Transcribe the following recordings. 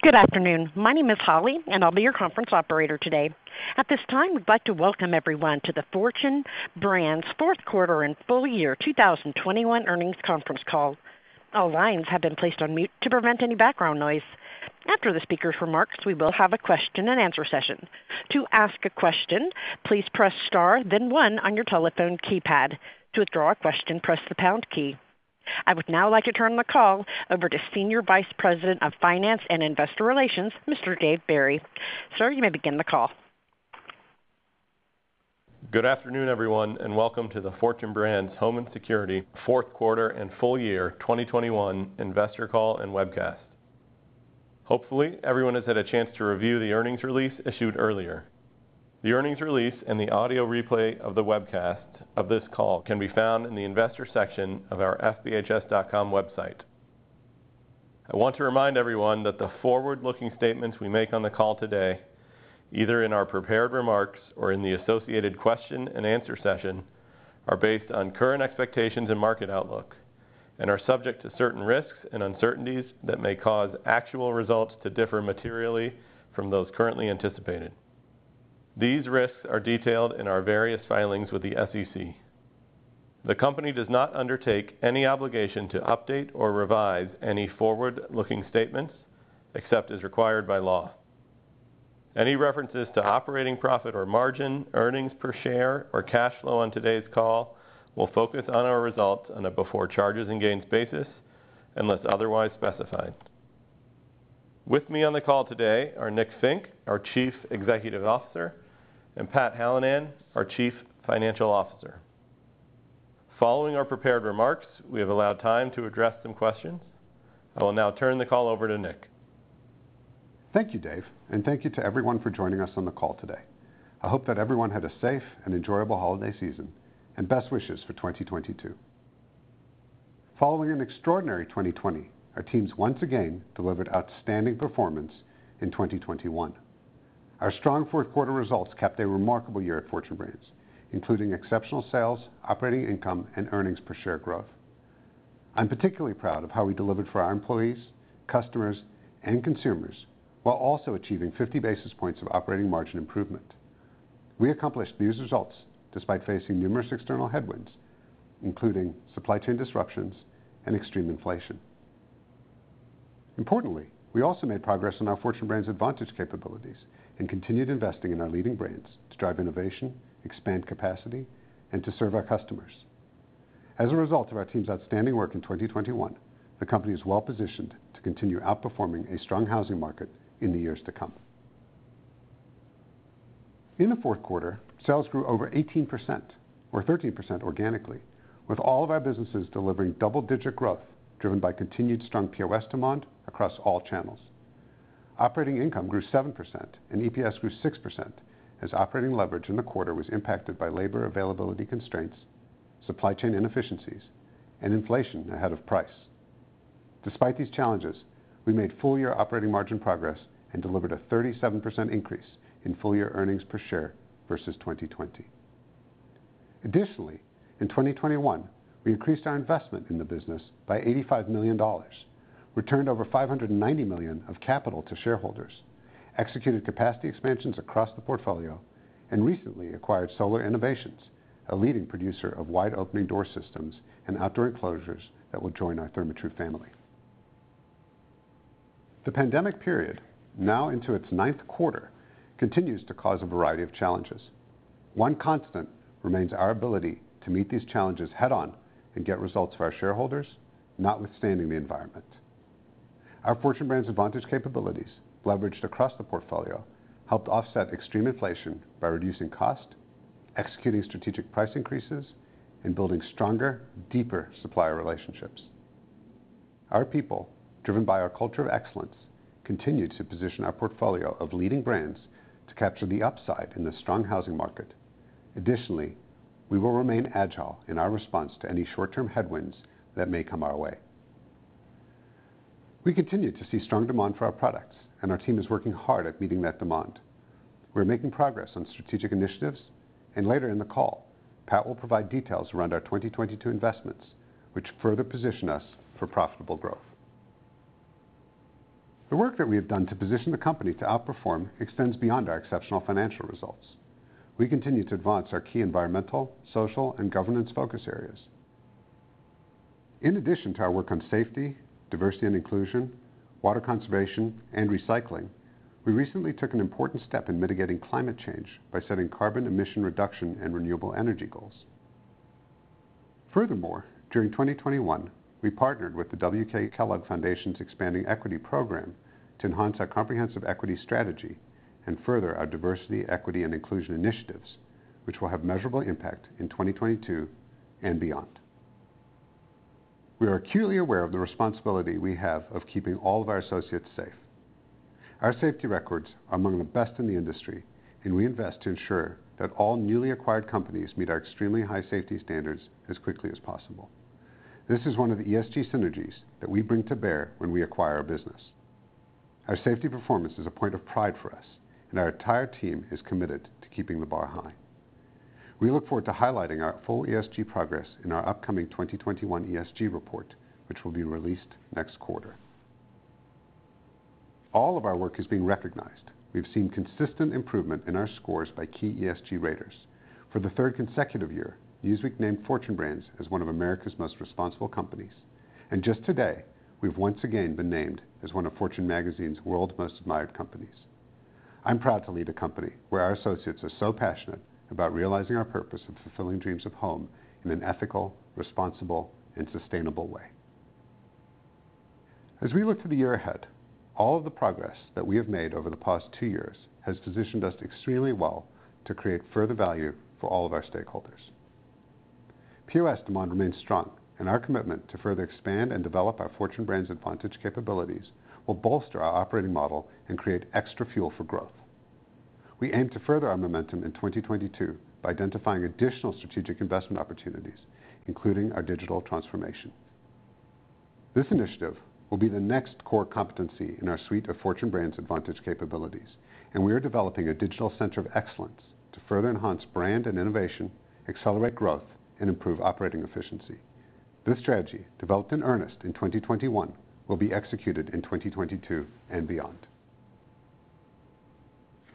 Good afternoon. My name is Holly, and I'll be your conference operator today. At this time, we'd like to welcome everyone to the Fortune Brands fourth quarter and full year 2021 earnings conference call. All lines have been placed on mute to prevent any background noise. After the speaker's remarks, we will have a question-and-answer session. To ask a question, please press star then one on your telephone keypad. To withdraw a question, press the pound key. I would now like to turn the call over to Senior Vice President of Finance and Investor Relations, Mr. David Barry. Sir, you may begin the call. Good afternoon, everyone, and welcome to the Fortune Brands Home & Security fourth quarter and full year 2021 investor call and webcast. Hopefully, everyone has had a chance to review the earnings release issued earlier. The earnings release and the audio replay of the webcast of this call can be found in the investor section of our fbhs.com website. I want to remind everyone that the forward-looking statements we make on the call today, either in our prepared remarks or in the associated question-and-answer session, are based on current expectations and market outlook and are subject to certain risks and uncertainties that may cause actual results to differ materially from those currently anticipated. These risks are detailed in our various filings with the SEC. The company does not undertake any obligation to update or revise any forward-looking statements except as required by law. Any references to operating profit or margin, earnings per share or cash flow on today's call will focus on our results on a before charges and gains basis unless otherwise specified. With me on the call today are Nick Fink, our Chief Executive Officer, and Pat Hallinan, our Chief Financial Officer. Following our prepared remarks, we have allowed time to address some questions. I will now turn the call over to Nick. Thank you, Dave, and thank you to everyone for joining us on the call today. I hope that everyone had a safe and enjoyable holiday season, and best wishes for 2022. Following an extraordinary 2020, our teams once again delivered outstanding performance in 2021. Our strong fourth quarter results capped a remarkable year at Fortune Brands, including exceptional sales, operating income, and earnings per share growth. I'm particularly proud of how we delivered for our employees, customers, and consumers while also achieving 50 basis points of operating margin improvement. We accomplished these results despite facing numerous external headwinds, including supply chain disruptions and extreme inflation. Importantly, we also made progress on our Fortune Brands Advantage capabilities and continued investing in our leading brands to drive innovation, expand capacity, and to serve our customers. As a result of our team's outstanding work in 2021, the company is well-positioned to continue outperforming a strong housing market in the years to come. In the fourth quarter, sales grew over 18% or 13% organically, with all of our businesses delivering double-digit growth driven by continued strong POS demand across all channels. Operating income grew 7% and EPS grew 6% as operating leverage in the quarter was impacted by labor availability constraints, supply chain inefficiencies, and inflation ahead of price. Despite these challenges, we made full year operating margin progress and delivered a 37% increase in full year earnings per share versus 2020. Additionally, in 2021, we increased our investment in the business by $85 million, returned over $590 million of capital to shareholders, executed capacity expansions across the portfolio, and recently acquired Solar Innovations, a leading producer of wide-opening door systems and outdoor enclosures that will join our Therma-Tru family. The pandemic period, now into its ninth quarter, continues to cause a variety of challenges. One constant remains our ability to meet these challenges head on and get results for our shareholders, notwithstanding the environment. Our Fortune Brands Advantage capabilities, leveraged across the portfolio, helped offset extreme inflation by reducing cost, executing strategic price increases, and building stronger, deeper supplier relationships. Our people, driven by our culture of excellence, continued to position our portfolio of leading brands to capture the upside in the strong housing market. Additionally, we will remain agile in our response to any short-term headwinds that may come our way. We continue to see strong demand for our products, and our team is working hard at meeting that demand. We're making progress on strategic initiatives, and later in the call, Pat will provide details around our 2022 investments, which further position us for profitable growth. The work that we have done to position the company to outperform extends beyond our exceptional financial results. We continue to advance our key environmental, social, and governance focus areas. In addition to our work on safety, diversity and inclusion, water conservation, and recycling, we recently took an important step in mitigating climate change by setting carbon emission reduction and renewable energy goals. Furthermore, during 2021, we partnered with the W.K. Kellogg Foundation's Expanding Equity Program to enhance our comprehensive equity strategy and further our diversity, equity, and inclusion initiatives, which will have measurable impact in 2022 and beyond. We are acutely aware of the responsibility we have of keeping all of our associates safe. Our safety records are among the best in the industry, and we invest to ensure that all newly acquired companies meet our extremely high safety standards as quickly as possible. This is one of the ESG synergies that we bring to bear when we acquire a business. Our safety performance is a point of pride for us, and our entire team is committed to keeping the bar high. We look forward to highlighting our full ESG progress in our upcoming 2021 ESG report, which will be released next quarter. All of our work is being recognized. We've seen consistent improvement in our scores by key ESG raters. For the third consecutive year, Newsweek named Fortune Brands as one of America's most responsible companies. Just today, we've once again been named as one of Fortune's World's Most Admired Companies. I'm proud to lead a company where our associates are so passionate about realizing our purpose of fulfilling dreams of home in an ethical, responsible, and sustainable way. As we look to the year ahead, all of the progress that we have made over the past two years has positioned us extremely well to create further value for all of our stakeholders. POS demand remains strong, and our commitment to further expand and develop our Fortune Brands Advantage capabilities will bolster our operating model and create extra fuel for growth. We aim to further our momentum in 2022 by identifying additional strategic investment opportunities, including our digital transformation. This initiative will be the next core competency in our suite of Fortune Brands Advantage capabilities, and we are developing a digital center of excellence to further enhance brand and innovation, accelerate growth, and improve operating efficiency. This strategy, developed in earnest in 2021, will be executed in 2022 and beyond.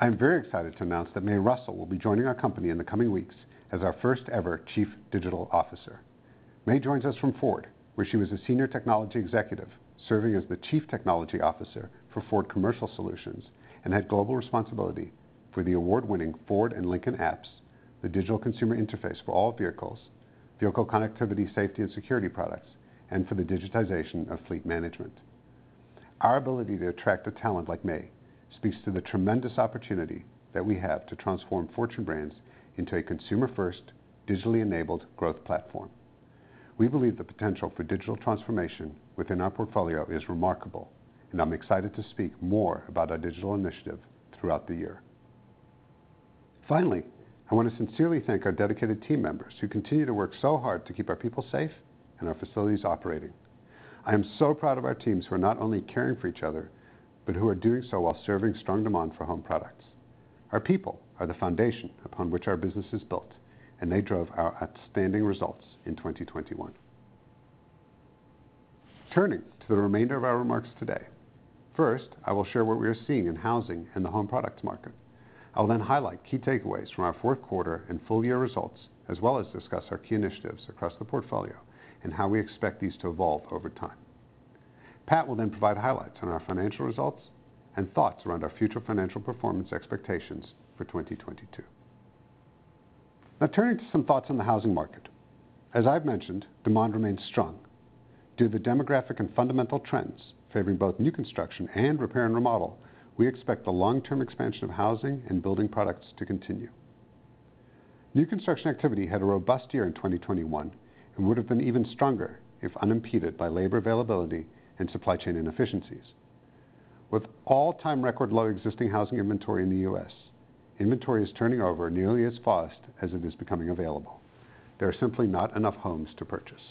I am very excited to announce that May Russell will be joining our company in the coming weeks as our first ever Chief Digital Officer. May joins us from Ford, where she was a senior technology executive, serving as the Chief Technology Officer for Ford Commercial Solutions, and had global responsibility for the award-winning Ford and Lincoln apps, the digital consumer interface for all vehicles, vehicle connectivity, safety, and security products, and for the digitization of fleet management. Our ability to attract a talent like May speaks to the tremendous opportunity that we have to transform Fortune Brands into a consumer-first, digitally enabled growth platform. We believe the potential for digital transformation within our portfolio is remarkable, and I'm excited to speak more about our digital initiative throughout the year. Finally, I want to sincerely thank our dedicated team members who continue to work so hard to keep our people safe and our facilities operating. I am so proud of our teams who are not only caring for each other, but who are doing so while serving strong demand for home products. Our people are the foundation upon which our business is built, and they drove our outstanding results in 2021. Turning to the remainder of our remarks today, first, I will share what we are seeing in housing and the home products market. I will then highlight key takeaways from our fourth quarter and full year results, as well as discuss our key initiatives across the portfolio and how we expect these to evolve over time. Pat will then provide highlights on our financial results and thoughts around our future financial performance expectations for 2022. Now turning to some thoughts on the housing market. As I've mentioned, demand remains strong. Due to the demographic and fundamental trends favoring both new construction and repair and remodel, we expect the long-term expansion of housing and building products to continue. New construction activity had a robust year in 2021 and would have been even stronger if unimpeded by labor availability and supply chain inefficiencies. With all-time record low existing housing inventory in the U.S., inventory is turning over nearly as fast as it is becoming available. There are simply not enough homes to purchase.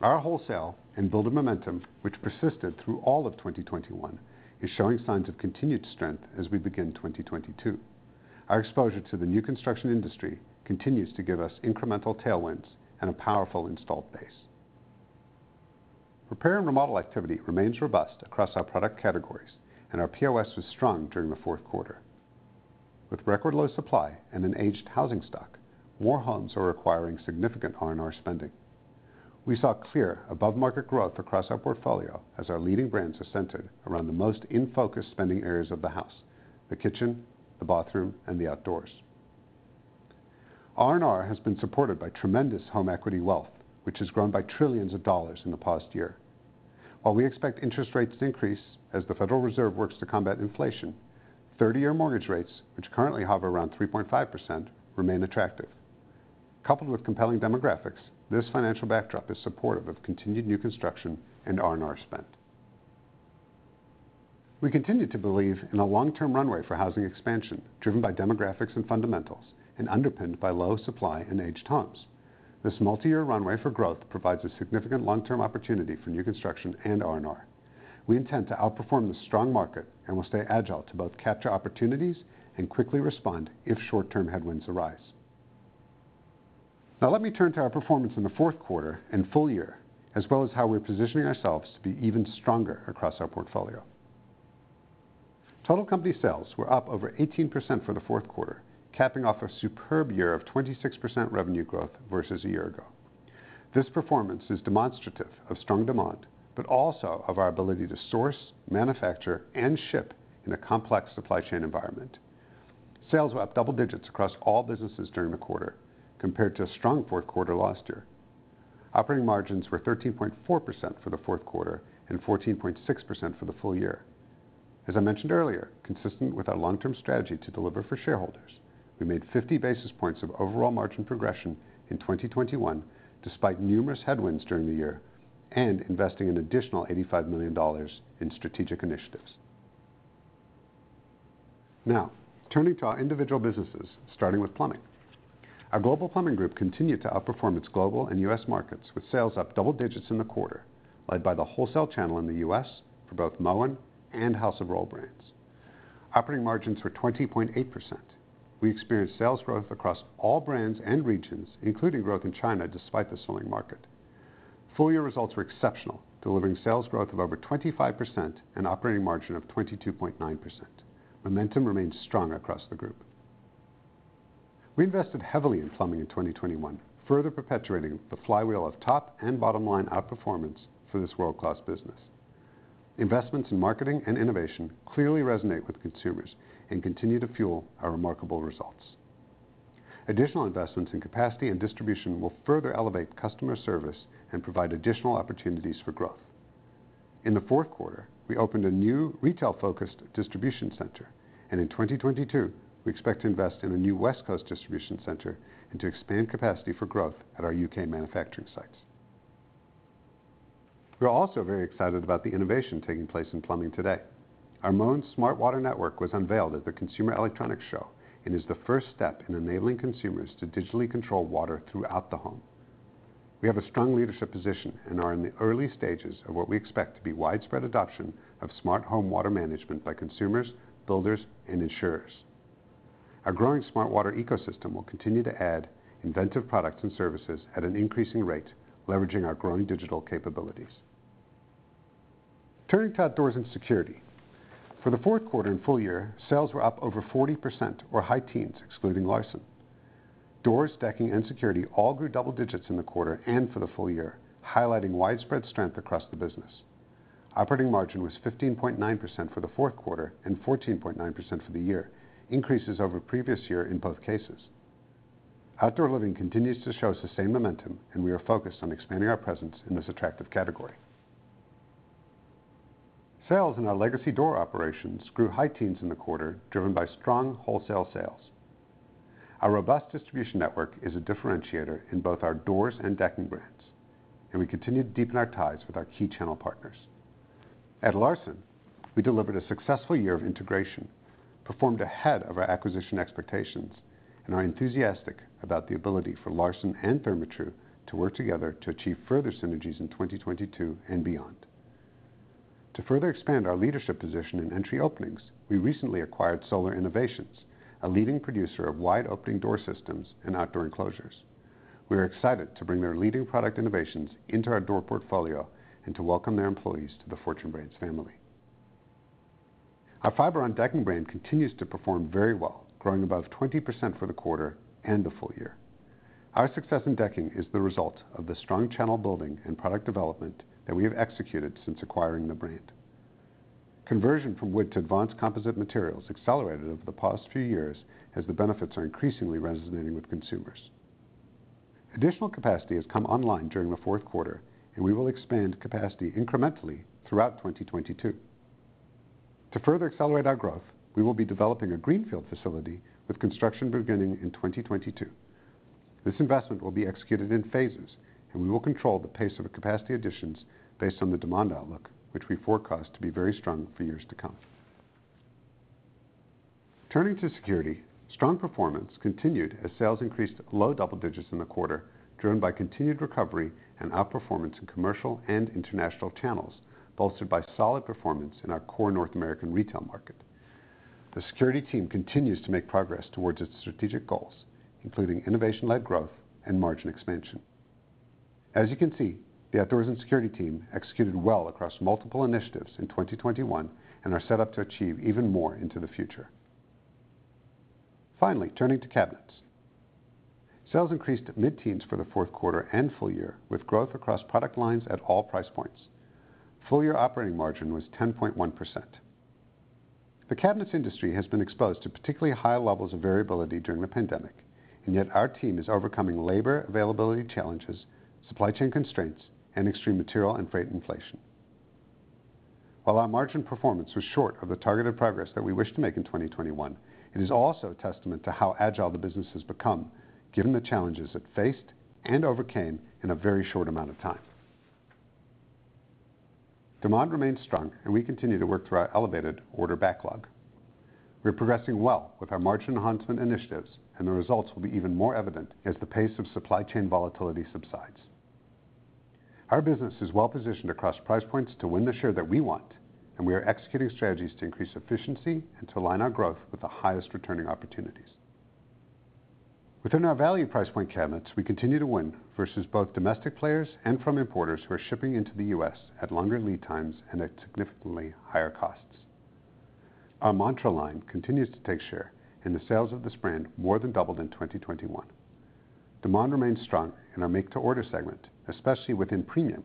Our wholesale and build of momentum, which persisted through all of 2021, is showing signs of continued strength as we begin 2022. Our exposure to the new construction industry continues to give us incremental tailwinds and a powerful installed base. Repair and remodel activity remains robust across our product categories, and our POS was strong during the fourth quarter. With record low supply and an aged housing stock, more homes are requiring significant R&R spending. We saw clear above-market growth across our portfolio as our leading brands are centered around the most in-focus spending areas of the house, the kitchen, the bathroom, and the outdoors. R&R has been supported by tremendous home equity wealth, which has grown by $trillions in the past year. While we expect interest rates to increase as the Federal Reserve works to combat inflation, 30-year mortgage rates, which currently hover around 3.5%, remain attractive. Coupled with compelling demographics, this financial backdrop is supportive of continued new construction and R&R spend. We continue to believe in a long-term runway for housing expansion, driven by demographics and fundamentals, and underpinned by low supply and aged homes. This multi-year runway for growth provides a significant long-term opportunity for new construction and R&R. We intend to outperform the strong market and will stay agile to both capture opportunities and quickly respond if short-term headwinds arise. Now let me turn to our performance in the fourth quarter and full year, as well as how we're positioning ourselves to be even stronger across our portfolio. Total company sales were up over 18% for the fourth quarter, capping off a superb year of 26% revenue growth versus a year ago. This performance is demonstrative of strong demand, but also of our ability to source, manufacture, and ship in a complex supply chain environment. Sales were up double digits across all businesses during the quarter compared to a strong fourth quarter last year. Operating margins were 13.4% for the fourth quarter and 14.6% for the full year. As I mentioned earlier, consistent with our long-term strategy to deliver for shareholders, we made 50 basis points of overall margin progression in 2021 despite numerous headwinds during the year and investing an additional $85 million in strategic initiatives. Now, turning to our individual businesses, starting with plumbing. Our global plumbing group continued to outperform its global and U.S. markets with sales up double digits in the quarter, led by the wholesale channel in the U.S. for both Moen and House of Rohl brands. Operating margins were 20.8%. We experienced sales growth across all brands and regions, including growth in China, despite the slowing market. Full year results were exceptional, delivering sales growth of over 25% and operating margin of 22.9%. Momentum remains strong across the group. We invested heavily in plumbing in 2021, further perpetuating the flywheel of top and bottom line outperformance for this world-class business. Investments in marketing and innovation clearly resonate with consumers and continue to fuel our remarkable results. Additional investments in capacity and distribution will further elevate customer service and provide additional opportunities for growth. In the fourth quarter, we opened a new retail-focused distribution center, and in 2022, we expect to invest in a new West Coast distribution center and to expand capacity for growth at our U.K. manufacturing sites. We are also very excited about the innovation taking place in plumbing today. Our Moen Smart Water Network was unveiled at the Consumer Electronics Show and is the first step in enabling consumers to digitally control water throughout the home. We have a strong leadership position and are in the early stages of what we expect to be widespread adoption of smart home water management by consumers, builders, and insurers. Our growing Smart Water ecosystem will continue to add inventive products and services at an increasing rate, leveraging our growing digital capabilities. Turning to outdoors and security. For the fourth quarter and full year, sales were up over 40% or high teens, excluding Larson. Doors, decking, and security all grew double digits in the quarter and for the full year, highlighting widespread strength across the business. Operating margin was 15.9% for the fourth quarter and 14.9% for the year, increases over previous year in both cases. Outdoor Living continues to show sustained momentum, and we are focused on expanding our presence in this attractive category. Sales in our legacy door operations grew high teens in the quarter, driven by strong wholesale sales. Our robust distribution network is a differentiator in both our doors and decking brands, and we continue to deepen our ties with our key channel partners. At Larson, we delivered a successful year of integration, performed ahead of our acquisition expectations, and are enthusiastic about the ability for Larson and Therma-Tru to work together to achieve further synergies in 2022 and beyond. To further expand our leadership position in entry openings, we recently acquired Solar Innovations, a leading producer of wide-opening door systems and outdoor enclosures. We are excited to bring their leading product innovations into our door portfolio and to welcome their employees to the Fortune Brands family. Our Fiberon decking brand continues to perform very well, growing above 20% for the quarter and the full year. Our success in decking is the result of the strong channel building and product development that we have executed since acquiring the brand. Conversion from wood to advanced composite materials accelerated over the past few years as the benefits are increasingly resonating with consumers. Additional capacity has come online during the fourth quarter, and we will expand capacity incrementally throughout 2022. To further accelerate our growth, we will be developing a greenfield facility with construction beginning in 2022. This investment will be executed in phases, and we will control the pace of the capacity additions based on the demand outlook, which we forecast to be very strong for years to come. Turning to security, strong performance continued as sales increased low double digits in the quarter, driven by continued recovery and outperformance in commercial and international channels, bolstered by solid performance in our core North American retail market. The security team continues to make progress towards its strategic goals, including innovation-led growth and margin expansion. As you can see, the Outdoors and Security team executed well across multiple initiatives in 2021 and are set up to achieve even more into the future. Finally, turning to Cabinets. Sales increased mid-teens for the fourth quarter and full year, with growth across product lines at all price points. Full year operating margin was 10.1%. The Cabinets industry has been exposed to particularly high levels of variability during the pandemic, and yet our team is overcoming labor availability challenges, supply chain constraints, and extreme material and freight inflation. While our margin performance was short of the targeted progress that we wish to make in 2021, it is also a testament to how agile the business has become, given the challenges it faced and overcame in a very short amount of time. Demand remains strong, and we continue to work through our elevated order backlog. We are progressing well with our margin enhancement initiatives, and the results will be even more evident as the pace of supply chain volatility subsides. Our business is well positioned across price points to win the share that we want, and we are executing strategies to increase efficiency and to align our growth with the highest returning opportunities. Within our value price point cabinets, we continue to win versus both domestic players and from importers who are shipping into the U.S. at longer lead times and at significantly higher costs. Our Mantra line continues to take share, and the sales of this brand more than doubled in 2021. Demand remains strong in our make-to-order segment, especially within premium,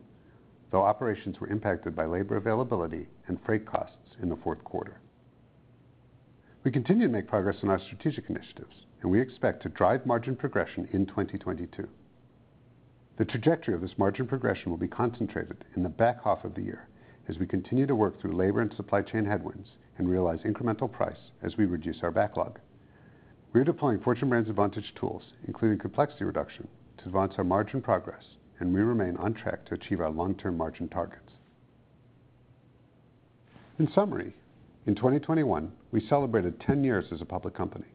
though operations were impacted by labor availability and freight costs in the fourth quarter. We continue to make progress on our strategic initiatives, and we expect to drive margin progression in 2022. The trajectory of this margin progression will be concentrated in the back half of the year as we continue to work through labor and supply chain headwinds and realize incremental price as we reduce our backlog. We are deploying Fortune Brands Advantage tools, including complexity reduction, to advance our margin progress, and we remain on track to achieve our long-term margin targets. In summary, in 2021, we celebrated 10 years as a public company.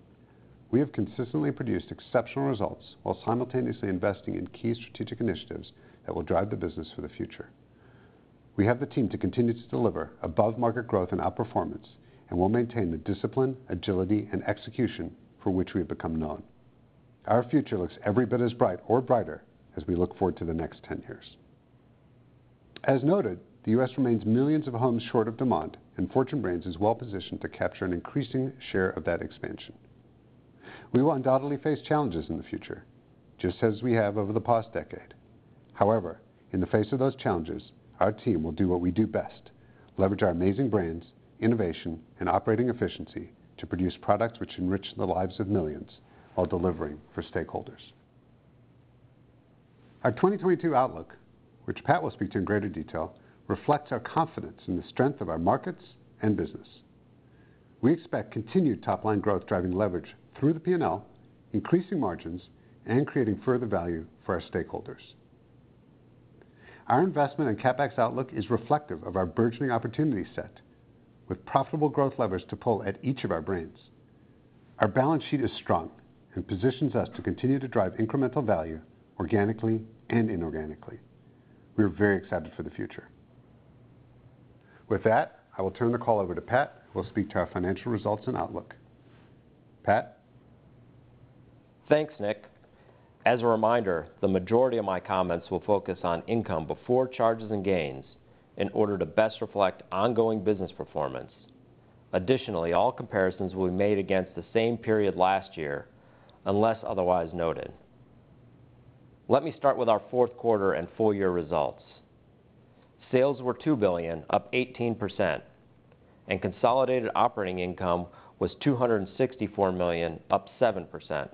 We have consistently produced exceptional results while simultaneously investing in key strategic initiatives that will drive the business for the future. We have the team to continue to deliver above-market growth and outperformance, and we'll maintain the discipline, agility, and execution for which we have become known. Our future looks every bit as bright or brighter as we look forward to the next 10 years. As noted, the U.S. remains millions of homes short of demand, and Fortune Brands is well-positioned to capture an increasing share of that expansion. We will undoubtedly face challenges in the future, just as we have over the past decade. However, in the face of those challenges, our team will do what we do best, leverage our amazing brands, innovation, and operating efficiency to produce products which enrich the lives of millions while delivering for stakeholders. Our 2022 outlook, which Pat will speak to in greater detail, reflects our confidence in the strength of our markets and business. We expect continued top-line growth driving leverage through the P&L, increasing margins, and creating further value for our stakeholders. Our investment and CapEx outlook is reflective of our burgeoning opportunity set with profitable growth levers to pull at each of our brands. Our balance sheet is strong and positions us to continue to drive incremental value organically and inorganically. We are very excited for the future. With that, I will turn the call over to Pat, who will speak to our financial results and outlook. Pat? Thanks, Nick. As a reminder, the majority of my comments will focus on income before charges and gains in order to best reflect ongoing business performance. Additionally, all comparisons will be made against the same period last year, unless otherwise noted. Let me start with our fourth quarter and full year results. Sales were $2 billion, up 18%, and consolidated operating income was $264 million, up 7%.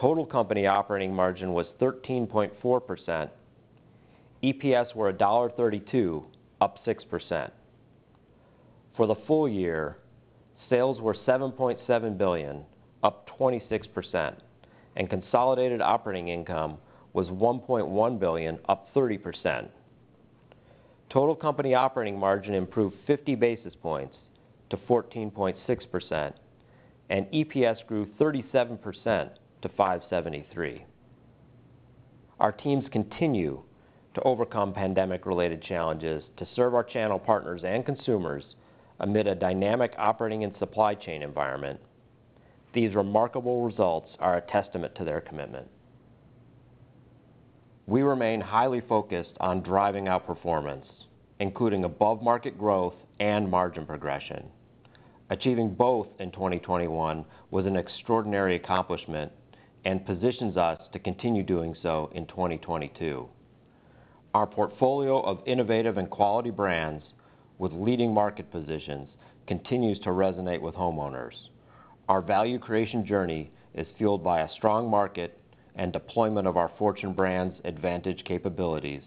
Total company operating margin was 13.4%. EPS were $1.32, up 6%. For the full year, sales were $7.7 billion, up 26%, and consolidated operating income was $1.1 billion, up 30%. Total company operating margin improved 50 basis points to 14.6%, and EPS grew 37% to $5.73. Our teams continue to overcome pandemic-related challenges to serve our channel partners and consumers amid a dynamic operating and supply chain environment. These remarkable results are a testament to their commitment. We remain highly focused on driving outperformance, including above-market growth and margin progression. Achieving both in 2021 was an extraordinary accomplishment and positions us to continue doing so in 2022. Our portfolio of innovative and quality brands with leading market positions continues to resonate with homeowners. Our value creation journey is fueled by a strong market and deployment of our Fortune Brands Advantage capabilities,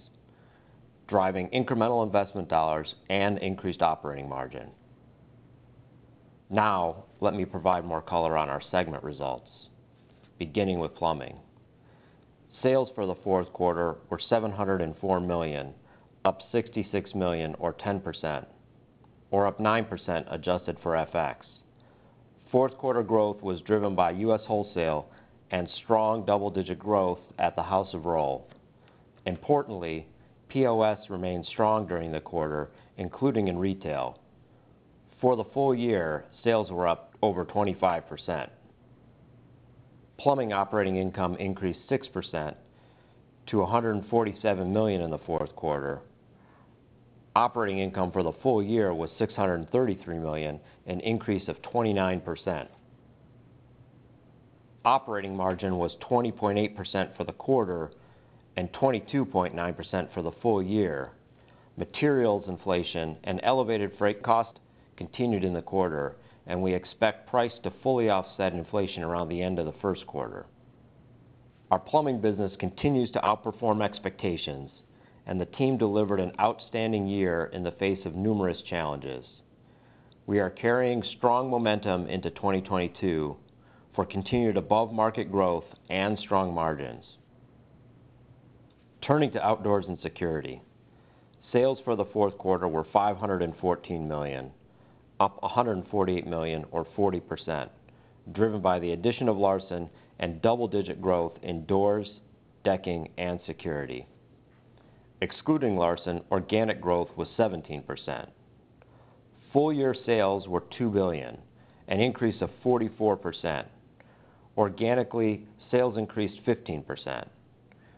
driving incremental investment dollars and increased operating margin. Now, let me provide more color on our segment results, beginning with plumbing. Sales for the fourth quarter were $704 million, up $66 million or 10%, or up 9% adjusted for FX. Fourth quarter growth was driven by U.S. wholesale and strong double-digit growth at the House of Rohl. Importantly, POS remained strong during the quarter, including in retail. For the full year, sales were up over 25%. Plumbing operating income increased 6% to $147 million in the fourth quarter. Operating income for the full year was $633 million, an increase of 29%. Operating margin was 20.8% for the quarter and 22.9% for the full year. Materials inflation and elevated freight cost continued in the quarter, and we expect price to fully offset inflation around the end of the first quarter. Our plumbing business continues to outperform expectations, and the team delivered an outstanding year in the face of numerous challenges. We are carrying strong momentum into 2022 for continued above-market growth and strong margins. Turning to outdoors and security. Sales for the fourth quarter were $514 million, up $148 million or 40%, driven by the addition of Larson and double-digit growth in doors, decking, and security. Excluding Larson, organic growth was 17%. Full year sales were $2 billion, an increase of 44%. Organically, sales increased 15%.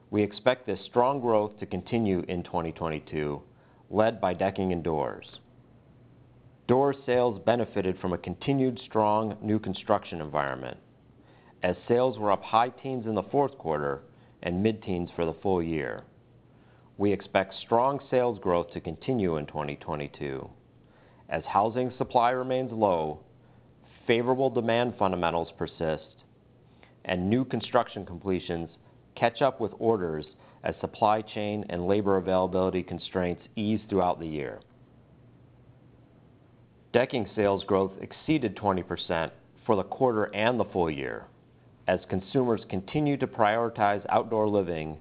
We expect this strong growth to continue in 2022, led by decking and doors. Door sales benefited from a continued strong new construction environment, as sales were up high teens in the fourth quarter and mid-teens for the full year. We expect strong sales growth to continue in 2022 as housing supply remains low, favorable demand fundamentals persist, and new construction completions catch up with orders as supply chain and labor availability constraints ease throughout the year. Decking sales growth exceeded 20% for the quarter and the full year as consumers continue to prioritize outdoor living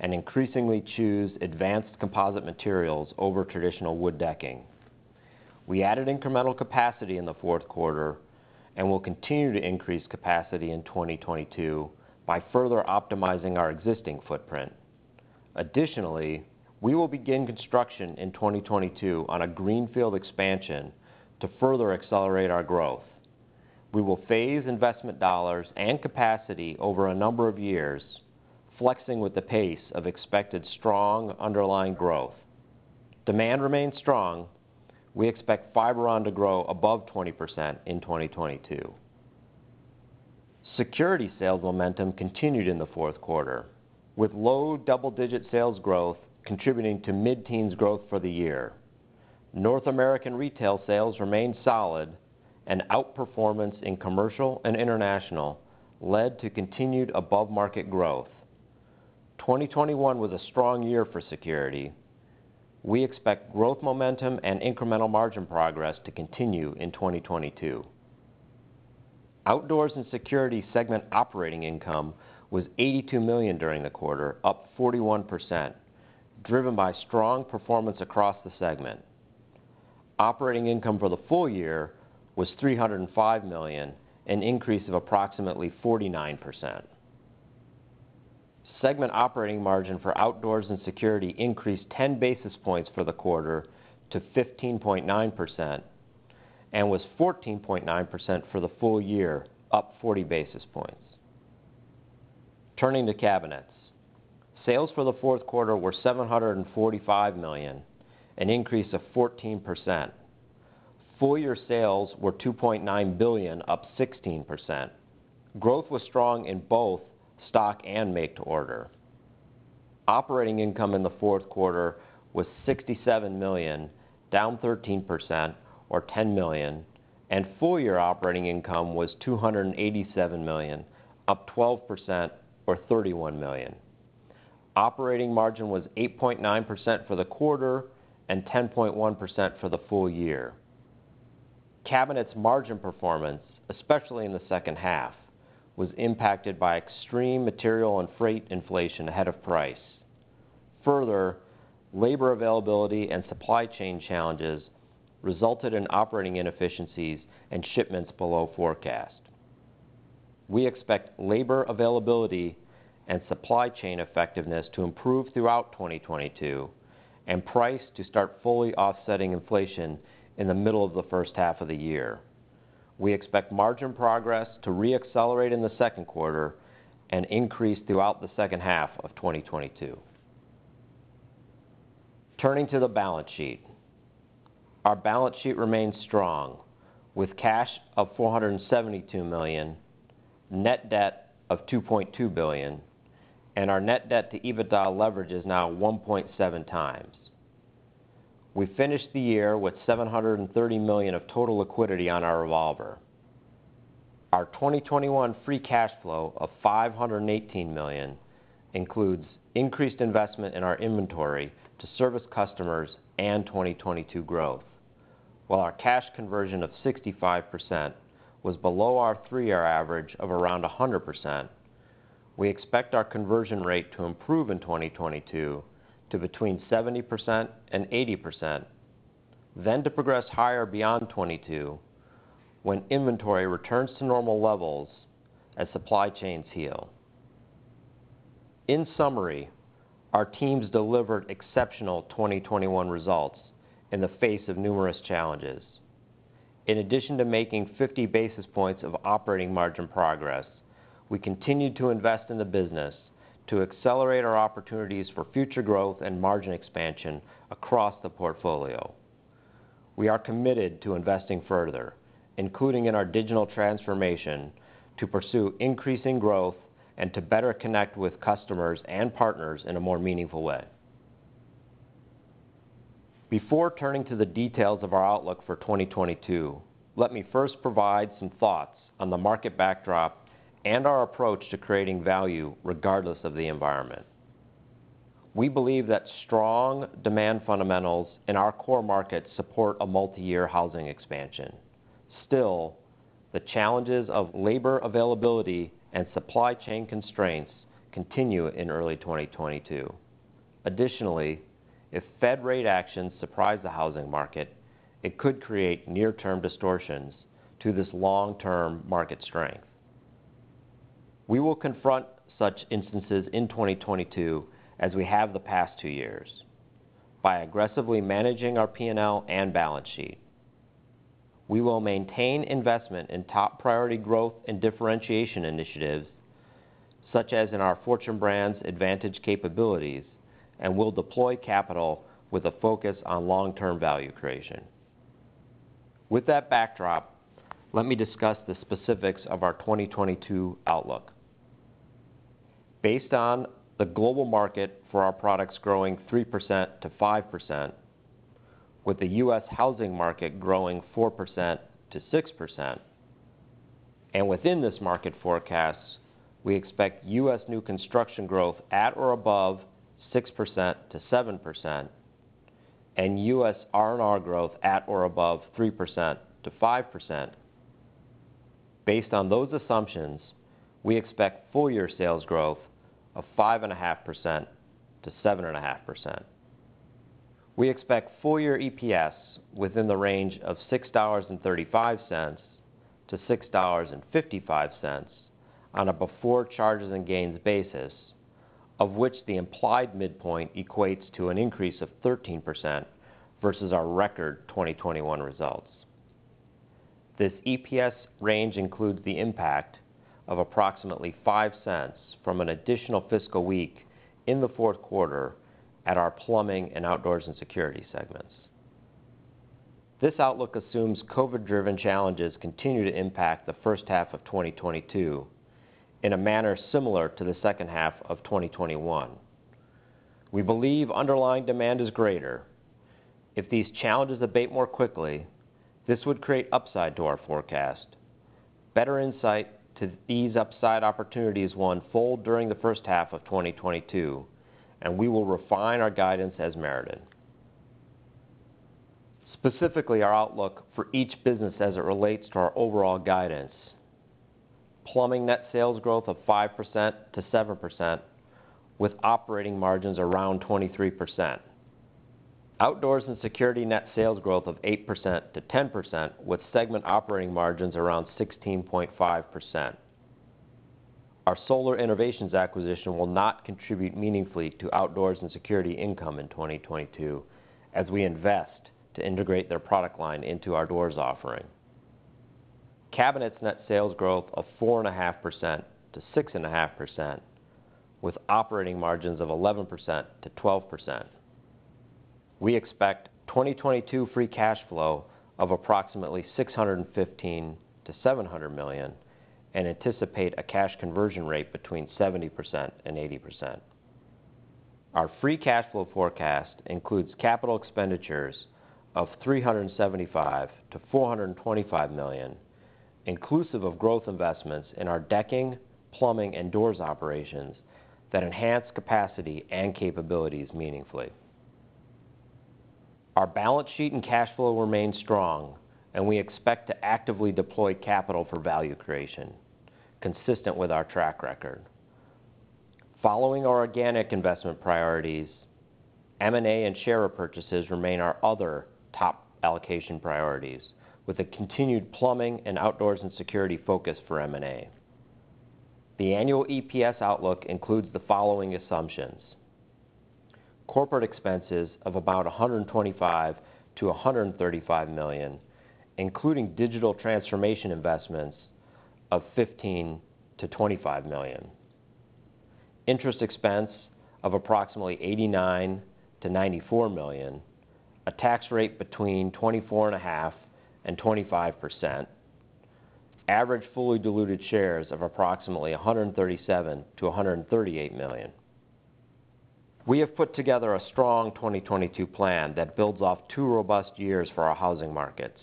and increasingly choose advanced composite materials over traditional wood decking. We added incremental capacity in the fourth quarter and will continue to increase capacity in 2022 by further optimizing our existing footprint. Additionally, we will begin construction in 2022 on a greenfield expansion to further accelerate our growth. We will phase investment dollars and capacity over a number of years, flexing with the pace of expected strong underlying growth. Demand remains strong. We expect Fiberon to grow above 20% in 2022. Security sales momentum continued in the fourth quarter, with low double-digit sales growth contributing to mid-teens growth for the year. North American retail sales remained solid, and outperformance in commercial and international led to continued above-market growth. 2021 was a strong year for security. We expect growth momentum and incremental margin progress to continue in 2022. Outdoors and Security segment operating income was $82 million during the quarter, up 41%, driven by strong performance across the segment. Operating income for the full year was $305 million, an increase of approximately 49%. Segment operating margin for Outdoors and Security increased 10 basis points for the quarter to 15.9% and was 14.9% for the full year, up 40 basis points. Turning to Cabinets. Sales for the fourth quarter were $745 million, an increase of 14%. Full year sales were $2.9 billion, up 16%. Growth was strong in both stock and make-to-order. Operating income in the fourth quarter was $67 million, down 13%, or $10 million, and full year operating income was $287 million, up 12%, or $31 million. Operating margin was 8.9% for the quarter and 10.1% for the full year. Cabinets margin performance, especially in the second half, was impacted by extreme material and freight inflation ahead of price. Further, labor availability and supply chain challenges resulted in operating inefficiencies and shipments below forecast. We expect labor availability and supply chain effectiveness to improve throughout 2022 and price to start fully offsetting inflation in the middle of the first half of the year. We expect margin progress to re-accelerate in the second quarter and increase throughout the second half of 2022. Turning to the balance sheet. Our balance sheet remains strong with cash of $472 million, net debt of $2.2 billion, and our net debt to EBITDA leverage is now 1.7x. We finished the year with $730 million of total liquidity on our revolver. Our 2021 free cash flow of $518 million includes increased investment in our inventory to service customers and 2022 growth. While our cash conversion of 65% was below our three-year average of around 100%, we expect our conversion rate to improve in 2022 to between 70% and 80%, then to progress higher beyond 2022 when inventory returns to normal levels as supply chains heal. In summary, our teams delivered exceptional 2021 results in the face of numerous challenges. In addition to making 50 basis points of operating margin progress, we continued to invest in the business to accelerate our opportunities for future growth and margin expansion across the portfolio. We are committed to investing further, including in our digital transformation, to pursue increasing growth and to better connect with customers and partners in a more meaningful way. Before turning to the details of our outlook for 2022, let me first provide some thoughts on the market backdrop and our approach to creating value regardless of the environment. We believe that strong demand fundamentals in our core markets support a multiyear housing expansion. Still, the challenges of labor availability and supply chain constraints continue in early 2022. Additionally, if Fed rate actions surprise the housing market, it could create near-term distortions to this long-term market strength. We will confront such instances in 2022 as we have the past two years by aggressively managing our P&L and balance sheet. We will maintain investment in top priority growth and differentiation initiatives, such as in our Fortune Brands Advantage capabilities, and we'll deploy capital with a focus on long-term value creation. With that backdrop, let me discuss the specifics of our 2022 outlook. Based on the global market for our products growing 3%-5%, with the U.S. housing market growing 4%-6%. Within this market forecasts, we expect U.S. new construction growth at or above 6%-7% and U.S. RNR growth at or above 3%-5%. Based on those assumptions, we expect full-year sales growth of 5.5%-7.5%. We expect full-year EPS within the range of $6.35-$6.55 on a before charges and gains basis, of which the implied midpoint equates to an increase of 13% versus our record 2021 results. This EPS range includes the impact of approximately $0.05 from an additional fiscal week in the fourth quarter at our plumbing and outdoors and security segments. This outlook assumes COVID-driven challenges continue to impact the first half of 2022 in a manner similar to the second half of 2021. We believe underlying demand is greater. If these challenges abate more quickly, this would create upside to our forecast. Better insight to these upside opportunities will unfold during the first half of 2022, and we will refine our guidance as merited. Specifically, our outlook for each business as it relates to our overall guidance. Plumbing net sales growth of 5%-7% with operating margins around 23%. Outdoors and Security net sales growth of 8%-10% with segment operating margins around 16.5%. Our Solar Innovations acquisition will not contribute meaningfully to Outdoors and Security income in 2022 as we invest to integrate their product line into our doors offering. Cabinets net sales growth of 4.5%-6.5% with operating margins of 11%-12%. We expect 2022 free cash flow of approximately $615 million-$700 million and anticipate a cash conversion rate between 70% and 80%. Our free cash flow forecast includes capital expenditures of $375 million-$425 million, inclusive of growth investments in our decking, plumbing, and doors operations that enhance capacity and capabilities meaningfully. Our balance sheet and cash flow remain strong and we expect to actively deploy capital for value creation consistent with our track record. Following our organic investment priorities, M&A and share repurchases remain our other top allocation priorities with a continued plumbing and outdoors and security focus for M&A. The annual EPS outlook includes the following assumptions, corporate expenses of about $125 million-$135 million, including digital transformation investments of $15 million-$25 million. Interest expense of approximately $89 million-$94 million. A tax rate between 24.5% and 25%. Average fully diluted shares of approximately 137 million-138 million. We have put together a strong 2022 plan that builds off two robust years for our housing markets.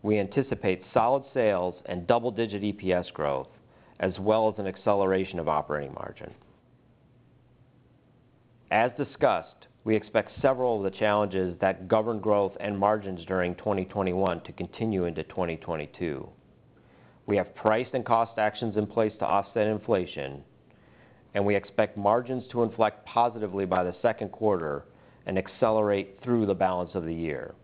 We anticipate solid sales and double-digit EPS growth, as well as an acceleration of operating margin. As discussed, we expect several of the challenges that govern growth and margins during 2021 to continue into 2022. We have priced and cost actions in place to offset inflation, and we expect margins to inflect positively by the second quarter and accelerate through the balance of the year.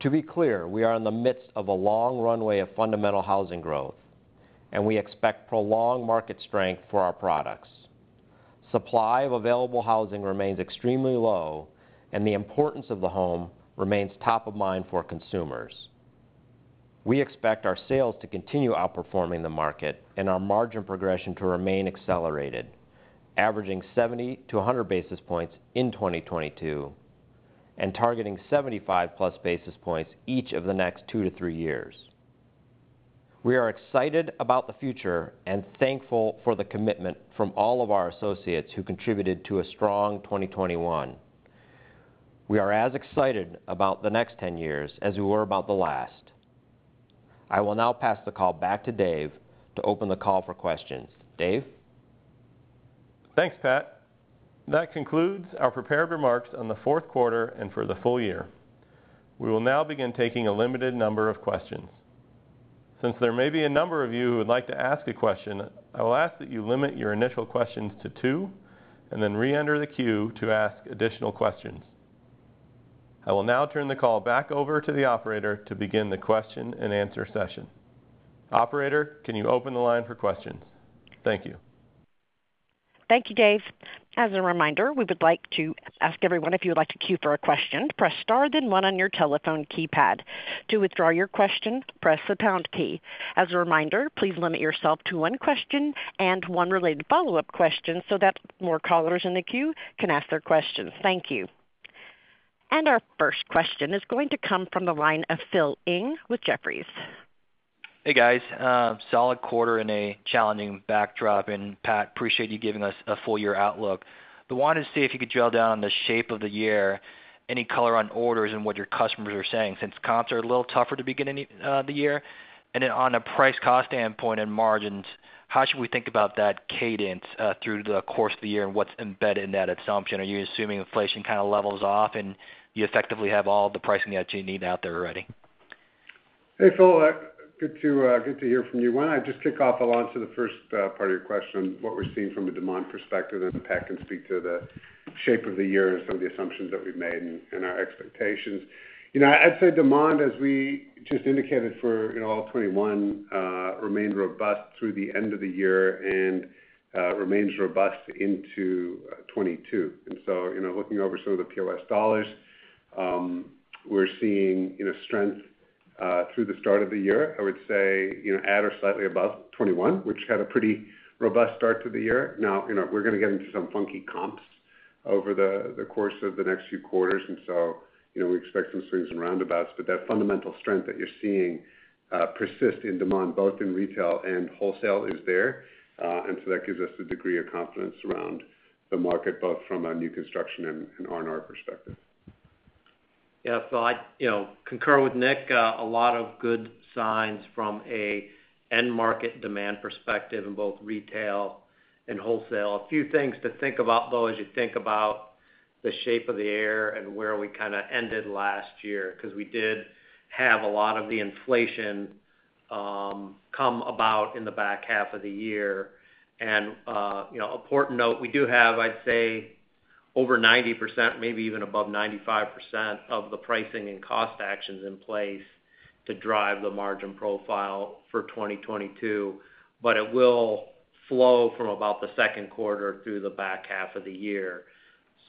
To be clear, we are in the midst of a long runway of fundamental housing growth, and we expect prolonged market strength for our products. Supply of available housing remains extremely low and the importance of the home remains top of mind for consumers. We expect our sales to continue outperforming the market and our margin progression to remain accelerated, averaging 70-100 basis points in 2022 and targeting 75+ basis points each of the next 2-3 years. We are excited about the future and thankful for the commitment from all of our associates who contributed to a strong 2021. We are as excited about the next 10 years as we were about the last. I will now pass the call back to Dave to open the call for questions. Dave? Thanks, Pat. That concludes our prepared remarks on the fourth quarter and for the full year. We will now begin taking a limited number of questions. Since there may be a number of you who would like to ask a question, I will ask that you limit your initial questions to two and then re-enter the queue to ask additional questions. I will now turn the call back over to the operator to begin the question and answer session. Operator, can you open the line for questions? Thank you. Thank you, Dave. As a reminder, we would like to ask everyone if you would like to queue for a question, press star, then one on your telephone keypad. To withdraw your question, press the pound key. As a reminder, please limit yourself to one question and one related follow-up question so that more callers in the queue can ask their questions. Thank you. Our first question is going to come from the line of Philip Ng with Jefferies. Hey, guys. Solid quarter in a challenging backdrop. Pat, appreciate you giving us a full year outlook. Wanted to see if you could drill down on the shape of the year, any color on orders and what your customers are saying since comps are a little tougher to begin the year. Then on a price cost standpoint and margins, how should we think about that cadence through the course of the year, and what's embedded in that assumption? Are you assuming inflation kind of levels off and you effectively have all the pricing that you need out there already? Hey, Phil, good to hear from you. Why don't I just kick off? I'll answer the first part of your question, what we're seeing from a demand perspective, and then Pat can speak to the shape of the year and some of the assumptions that we've made and our expectations. You know, I'd say demand, as we just indicated for, you know, all of 2021, remained robust through the end of the year and remains robust into 2022. You know, looking over some of the POS dollars, we're seeing, you know, strength through the start of the year. I would say, you know, at or slightly above 2021, which had a pretty robust start to the year. Now, you know, we're gonna get into some funky comps over the course of the next few quarters. you know, we expect some swings and roundabouts. that fundamental strength that you're seeing persist in demand, both in retail and wholesale, is there. that gives us a degree of confidence around the market, both from a new construction and an R&R perspective. Yeah. I, you know, concur with Nick. A lot of good signs from a end market demand perspective in both retail and wholesale. A few things to think about, though, as you think about the shape of the year and where we kind of ended last year, because we did have a lot of the inflation come about in the back half of the year. You know, important note, we do have, I'd say, over 90%, maybe even above 95% of the pricing and cost actions in place to drive the margin profile for 2022. It will flow from about the second quarter through the back half of the year.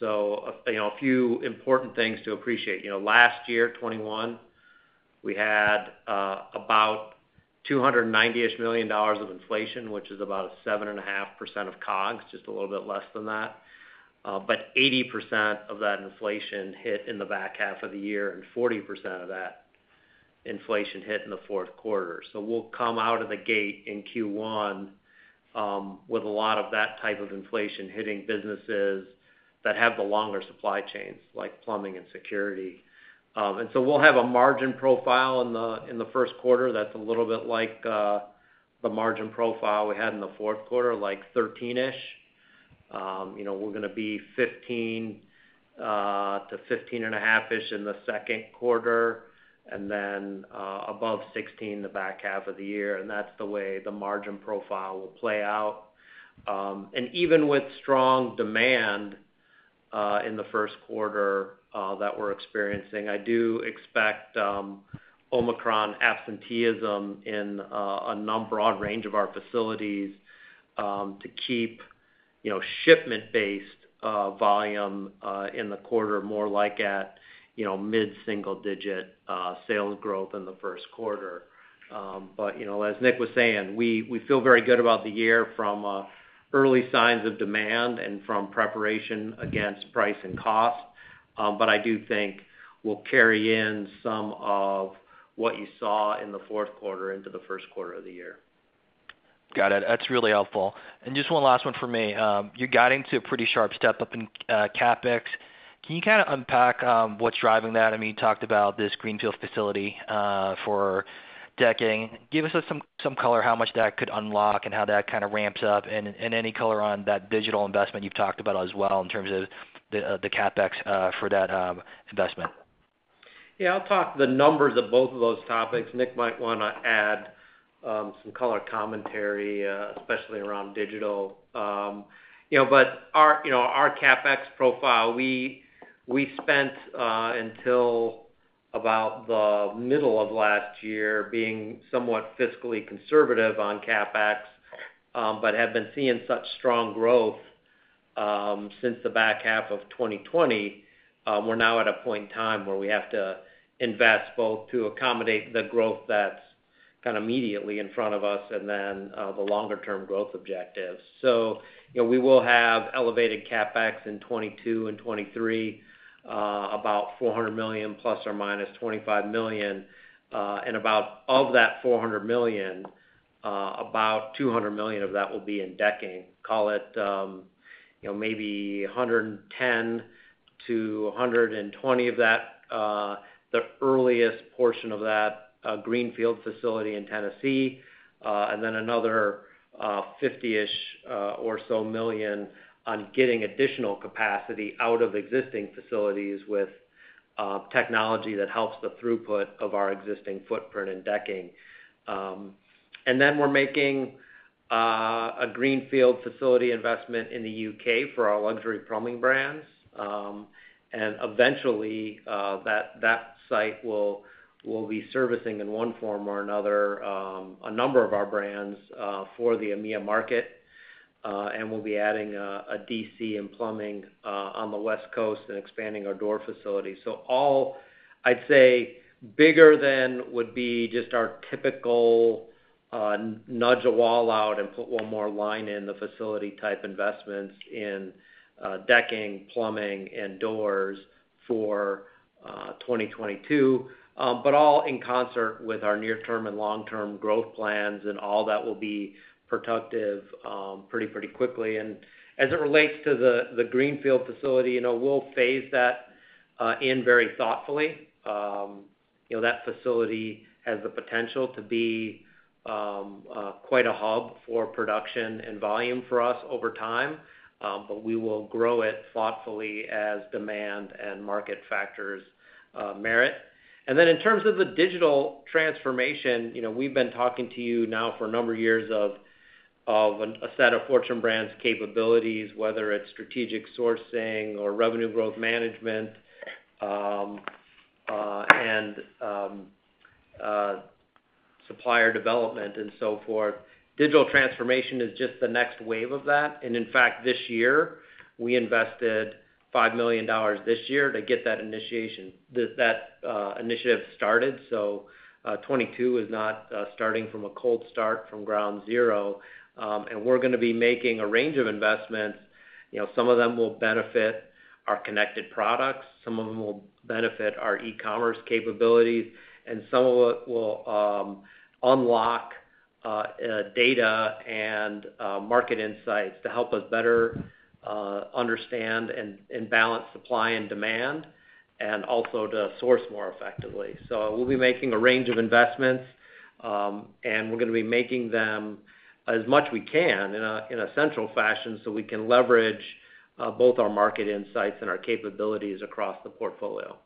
You know, a few important things to appreciate. You know, last year, 2021, we had about $290 million of inflation, which is about 7.5% of COGS, just a little bit less than that. Eighty percent of that inflation hit in the back half of the year, and 40% of that inflation hit in the fourth quarter. We'll come out of the gate in Q1 with a lot of that type of inflation hitting businesses that have the longer supply chains, like plumbing and security. We'll have a margin profile in the first quarter that's a little bit like the margin profile we had in the fourth quarter, like 13-ish%. You know, we're gonna be 15 to 15.5-ish in the second quarter, and then above 16 the back half of the year, and that's the way the margin profile will play out. Even with strong demand in the first quarter that we're experiencing, I do expect Omicron absenteeism in a broad range of our facilities to keep you know, shipment-based volume in the quarter more like at mid-single digit sales growth in the first quarter. You know, as Nick was saying, we feel very good about the year from early signs of demand and from preparation against price and cost. I do think we'll carry in some of what you saw in the fourth quarter into the first quarter of the year. Got it. That's really helpful. Just one last one for me. You're guiding to a pretty sharp step-up in CapEx. Can you kind of unpack what's driving that? I mean, you talked about this greenfield facility for decking. Give us just some color how much that could unlock and how that kind of ramps up and any color on that digital investment you've talked about as well in terms of the CapEx for that investment. I'll talk the numbers of both of those topics. Nick might wanna add some color commentary, especially around digital. You know, our CapEx profile, we spent until about the middle of last year being somewhat fiscally conservative on CapEx, but have been seeing such strong growth since the back half of 2020. We're now at a point in time where we have to invest both to accommodate the growth that's kind of immediately in front of us and then the longer term growth objectives. You know, we will have elevated CapEx in 2022 and 2023, about $400 million ±$25 million, and of that $400 million, about $200 million of that will be in decking. Call it, you know, maybe $110-$120 million of that, the earliest portion of that, greenfield facility in Tennessee, and then another $50 million or so on getting additional capacity out of existing facilities with technology that helps the throughput of our existing footprint in decking. We're making a greenfield facility investment in the U.K. for our luxury plumbing brands. Eventually, that site will be servicing in one form or another a number of our brands for the EMEIA market. We'll be adding a DC in plumbing on the West Coast and expanding our door facility. All I'd say bigger than would be just our typical nudge a wall out and put one more line in the facility type investments in decking, plumbing, and doors for 2022, all in concert with our near term and long-term growth plans, and all that will be productive pretty quickly. As it relates to the greenfield facility, we'll phase that in very thoughtfully. That facility has the potential to be quite a hub for production and volume for us over time. We will grow it thoughtfully as demand and market factors merit. Then in terms of the digital transformation, you know, we've been talking to you now for a number of years of a set of Fortune Brands capabilities, whether it's strategic sourcing or revenue growth management, and supplier development and so forth. Digital transformation is just the next wave of that. In fact, this year, we invested $5 million this year to get that initiative started. 2022 is not starting from a cold start from ground zero. We're gonna be making a range of investments. You know, some of them will benefit our connected products, some of them will benefit our e-commerce capabilities, and some of it will unlock data and market insights to help us better understand and balance supply and demand, and also to source more effectively. We'll be making a range of investments, and we're gonna be making them as much as we can in a central fashion, so we can leverage both our market insights and our capabilities across the portfolio.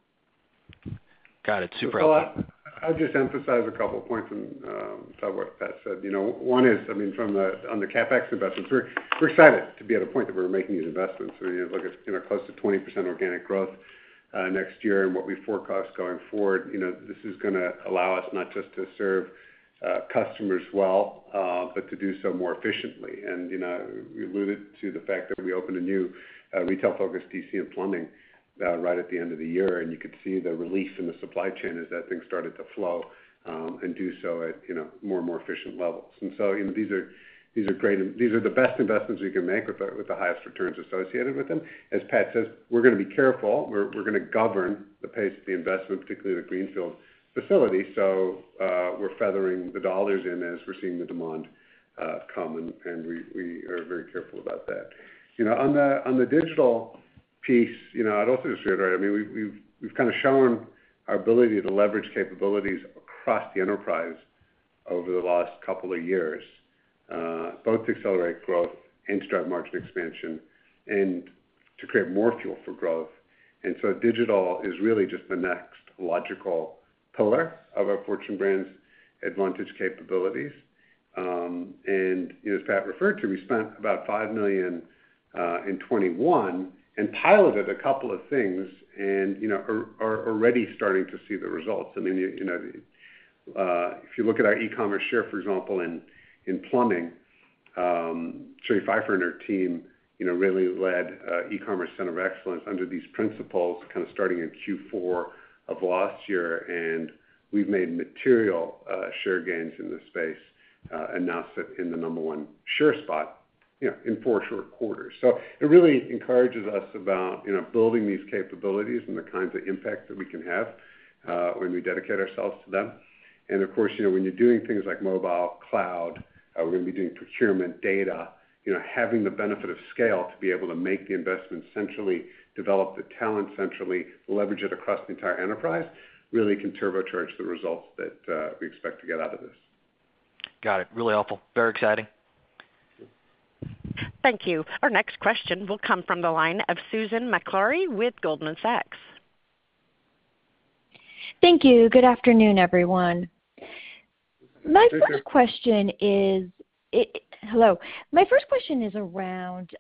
Got it. Super helpful. Well, I'll just emphasize a couple points and talk about what Pat said. You know, one is, I mean, on the CapEx investments, we're excited to be at a point that we're making these investments. You know, look, it's, you know, close to 20% organic growth next year and what we forecast going forward. You know, this is gonna allow us not just to serve customers well, but to do so more efficiently. You know, we alluded to the fact that we opened a new retail-focused DC in plumbing right at the end of the year. You could see the release in the supply chain as that thing started to flow and do so at, you know, more and more efficient levels. These are the best investments we can make with the highest returns associated with them. As Pat says, we're gonna be careful. We're gonna govern the pace of the investment, particularly the greenfield facility. We're feathering the dollars in as we're seeing the demand come, and we are very careful about that. On the digital piece, I'd also just reiterate, we've kind of shown our ability to leverage capabilities across the enterprise over the last couple of years, both to accelerate growth and to drive margin expansion and to create more fuel for growth. Digital is really just the next logical pillar of our Fortune Brands Advantage capabilities. You know, as Pat referred to, we spent about $5 million in 2021 and piloted a couple of things and you know are already starting to see the results. I mean, you know, if you look at our e-commerce share, for example, in plumbing, Cheri Phyfer and her team you know really led e-commerce center of excellence under these principles, kind of starting in Q4 of last year. We've made material share gains in the space and now sit in the number one share spot you know in four short quarters. It really encourages us about you know building these capabilities and the kinds of impact that we can have when we dedicate ourselves to them. Of course, you know, when you're doing things like mobile, cloud, we're gonna be doing procurement, data. You know, having the benefit of scale to be able to make the investments centrally, develop the talent centrally, leverage it across the entire enterprise, really can turbocharge the results that we expect to get out of this. Got it. Really helpful. Very exciting. Thank you. Our next question will come from the line of Susan Maklari with Goldman Sachs. Thank you. Good afternoon, everyone. Good afternoon. My first question is around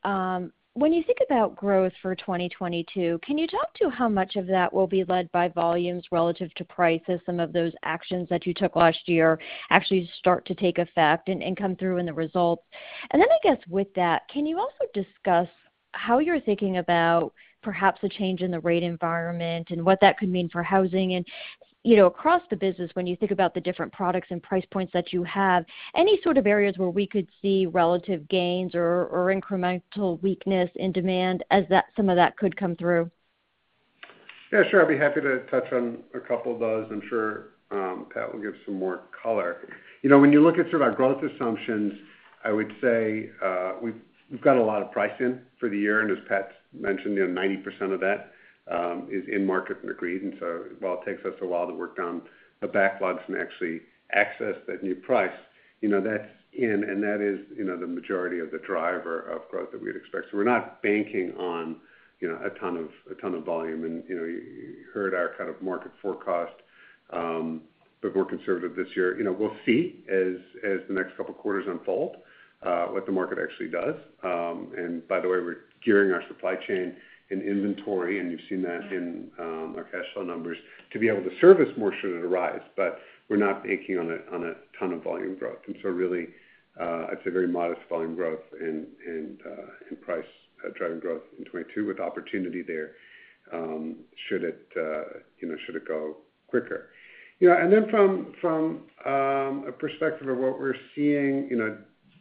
when you think about growth for 2022, can you talk to how much of that will be led by volumes relative to price as some of those actions that you took last year actually start to take effect and come through in the results? Then I guess with that, can you also discuss how you're thinking about perhaps the change in the rate environment and what that could mean for housing and, you know, across the business when you think about the different products and price points that you have, any sort of areas where we could see relative gains or incremental weakness in demand as some of that could come through? Yeah, sure. I'd be happy to touch on a couple of those. I'm sure Pat will give some more color. You know, when you look at sort of our growth assumptions, I would say we've got a lot of price in for the year. As Pat mentioned, you know, 90% of that is in market and agreed. While it takes us a while to work down the backlogs and actually access that new price, you know, that's in and that is the majority of the driver of growth that we'd expect. We're not banking on a ton of volume. You know, you heard our kind of market forecast, but more conservative this year. You know, we'll see as the next couple of quarters unfold what the market actually does. By the way, we're gearing our supply chain and inventory, and you've seen that in our cash flow numbers, to be able to service more, should it arise. We're not banking on a ton of volume growth. Really, I'd say very modest volume growth and price driving growth in 2022 with opportunity there, should it go quicker, you know. You know, from a perspective of what we're seeing, you know,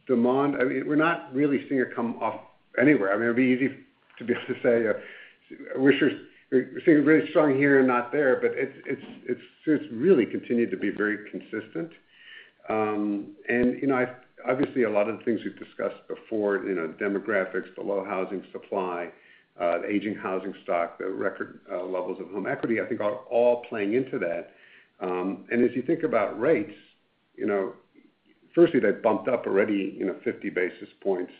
demand, I mean, we're not really seeing it come off anywhere. I mean, it'd be easy to be able to say we're seeing it really strong here and not there, but it's just really continued to be very consistent. You know, obviously, a lot of the things we've discussed before, you know, demographics, the low housing supply, the aging housing stock, the record levels of home equity, I think are all playing into that. If you think about rates, you know, firstly, they've bumped up already, you know, 50 basis points.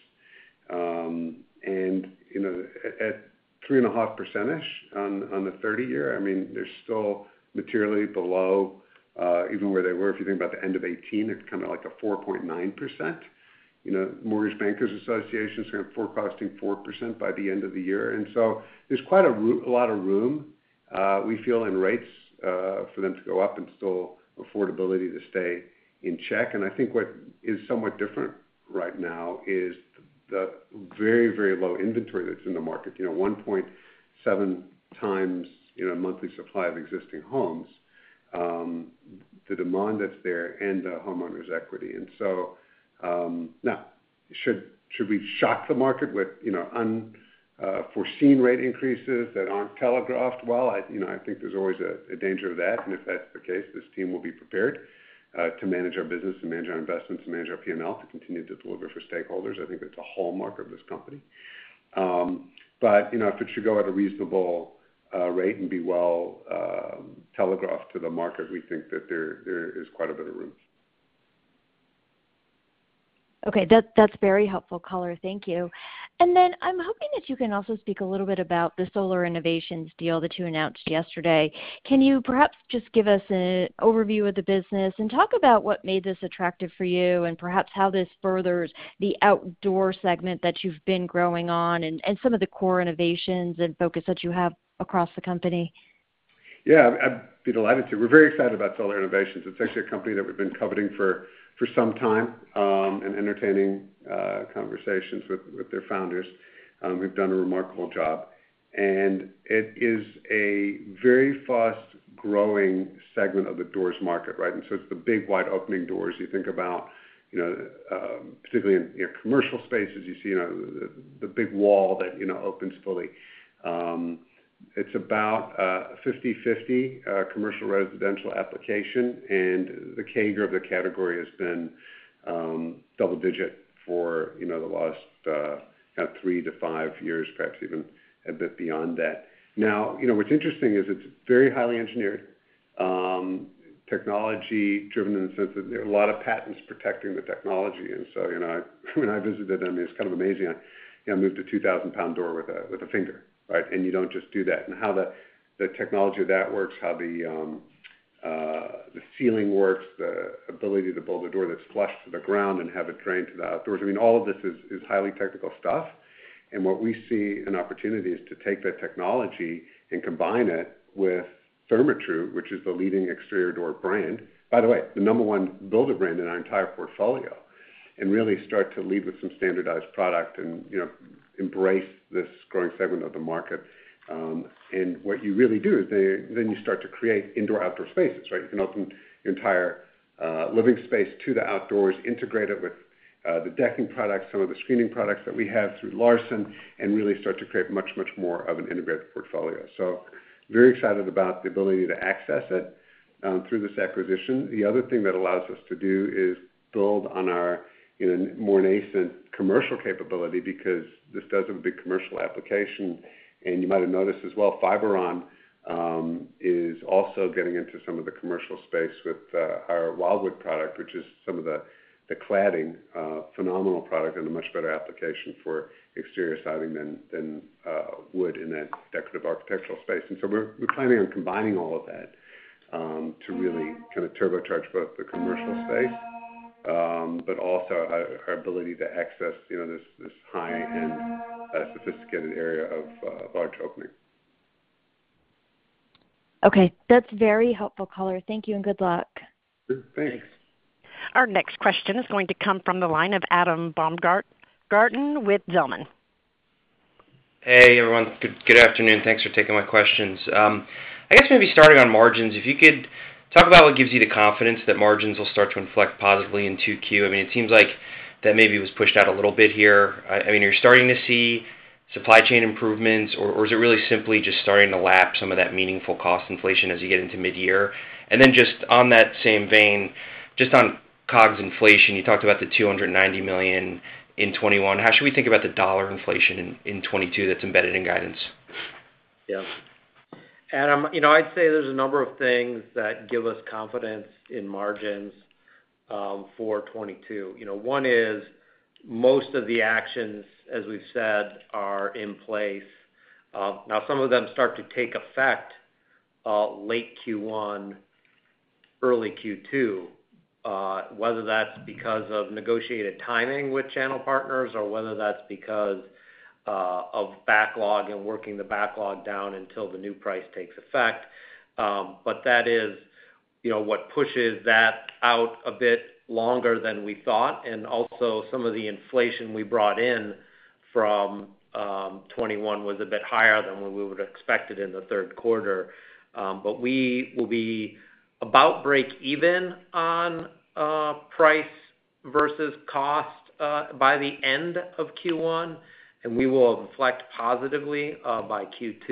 You know, at 3.5% on the 30-year, I mean, they're still materially below even where they were. If you think about the end of 2018, it's kind of like 4.9%. You know, Mortgage Bankers Association is kind of forecasting 4% by the end of the year. There's quite a lot of room, we feel, in rates for them to go up and still affordability to stay in check. I think what is somewhat different right now is the very, very low inventory that's in the market. You know, 1.7 times, you know, monthly supply of existing homes, the demand that's there, and the homeowners' equity. Now should we shock the market with, you know, unforeseen rate increases that aren't telegraphed well? I, you know, I think there's always a danger of that. If that's the case, this team will be prepared to manage our business and manage our investments and manage our P&L to continue to deliver for stakeholders. I think that's a hallmark of this company. You know, if it should go at a reasonable rate and be well telegraphed to the market, we think that there is quite a bit of room. Okay. That's very helpful, Caller. Thank you. I'm hoping that you can also speak a little bit about the Solar Innovations deal that you announced yesterday. Can you perhaps just give us an overview of the business and talk about what made this attractive for you and perhaps how this furthers the outdoor segment that you've been growing on and some of the core innovations and focus that you have across the company? Yeah. I'd be delighted to. We're very excited about Solar Innovations. It's actually a company that we've been coveting for some time, and entertaining conversations with their founders, who've done a remarkable job. It is a very fast-growing segment of the doors market, right? It's the big wide opening doors. You think about, you know, particularly in your commercial spaces, you see, you know, the big wall that, you know, opens fully. It's about 50/50 commercial residential application. The CAGR of the category has been double-digit for, you know, the last kind of three-five years, perhaps even a bit beyond that. Now, you know, what's interesting is it's very highly engineered, technology-driven in the sense that there are a lot of patents protecting the technology. You know, when I visited them, it's kind of amazing. I moved a 2,000-pound door with a finger, right? You don't just do that. How the technology of that works, how the ceiling works, the ability to build a door that's flush to the ground and have it drain to the outdoors. I mean, all of this is highly technical stuff. What we see an opportunity is to take that technology and combine it with Therma-Tru, which is the leading exterior door brand, by the way, the number one builder brand in our entire portfolio, and really start to lead with some standardized product and, you know, embrace this growing segment of the market. What you really do is then you start to create indoor/outdoor spaces, right? You can open the entire living space to the outdoors, integrate it with the decking products, some of the screening products that we have through Larson, and really start to create much, much more of an integrated portfolio. Very excited about the ability to access it through this acquisition. The other thing that allows us to do is build on our, you know, more nascent commercial capability because this does have a big commercial application. You might have noticed as well, Fiberon is also getting into some of the commercial space with our Wildwood product, which is some of the cladding, phenomenal product and a much better application for exterior siding than wood in that decorative architectural space. We're planning on combining all of that to really kind of turbocharge both the commercial space but also our ability to access, you know, this high-end, sophisticated area of large opening. Okay. That's very helpful, Caller. Thank you and good luck. Thanks. Our next question is going to come from the line of Adam Baumgarten with Zelman. Hey, everyone. Good afternoon. Thanks for taking my questions. I guess maybe starting on margins, if you could talk about what gives you the confidence that margins will start to inflect positively in 2Q. I mean, it seems like that maybe was pushed out a little bit here. I mean, are you starting to see supply chain improvements, or is it really simply just starting to lap some of that meaningful cost inflation as you get into mid-year? Just on that same vein, just on COGS inflation, you talked about the $290 million in 2021. How should we think about the dollar inflation in 2022 that's embedded in guidance? Yeah. Adam, you know, I'd say there's a number of things that give us confidence in margins for 2022. You know, one is most of the actions, as we've said, are in place. Now some of them start to take effect late Q1, early Q2, whether that's because of negotiated timing with channel partners or whether that's because of backlog and working the backlog down until the new price takes effect. That is one You know what pushes that out a bit longer than we thought, and also some of the inflation we brought in from 2021 was a bit higher than what we would've expected in the third quarter. We will be about break even on price versus cost by the end of Q1, and we will reflect positively by Q2.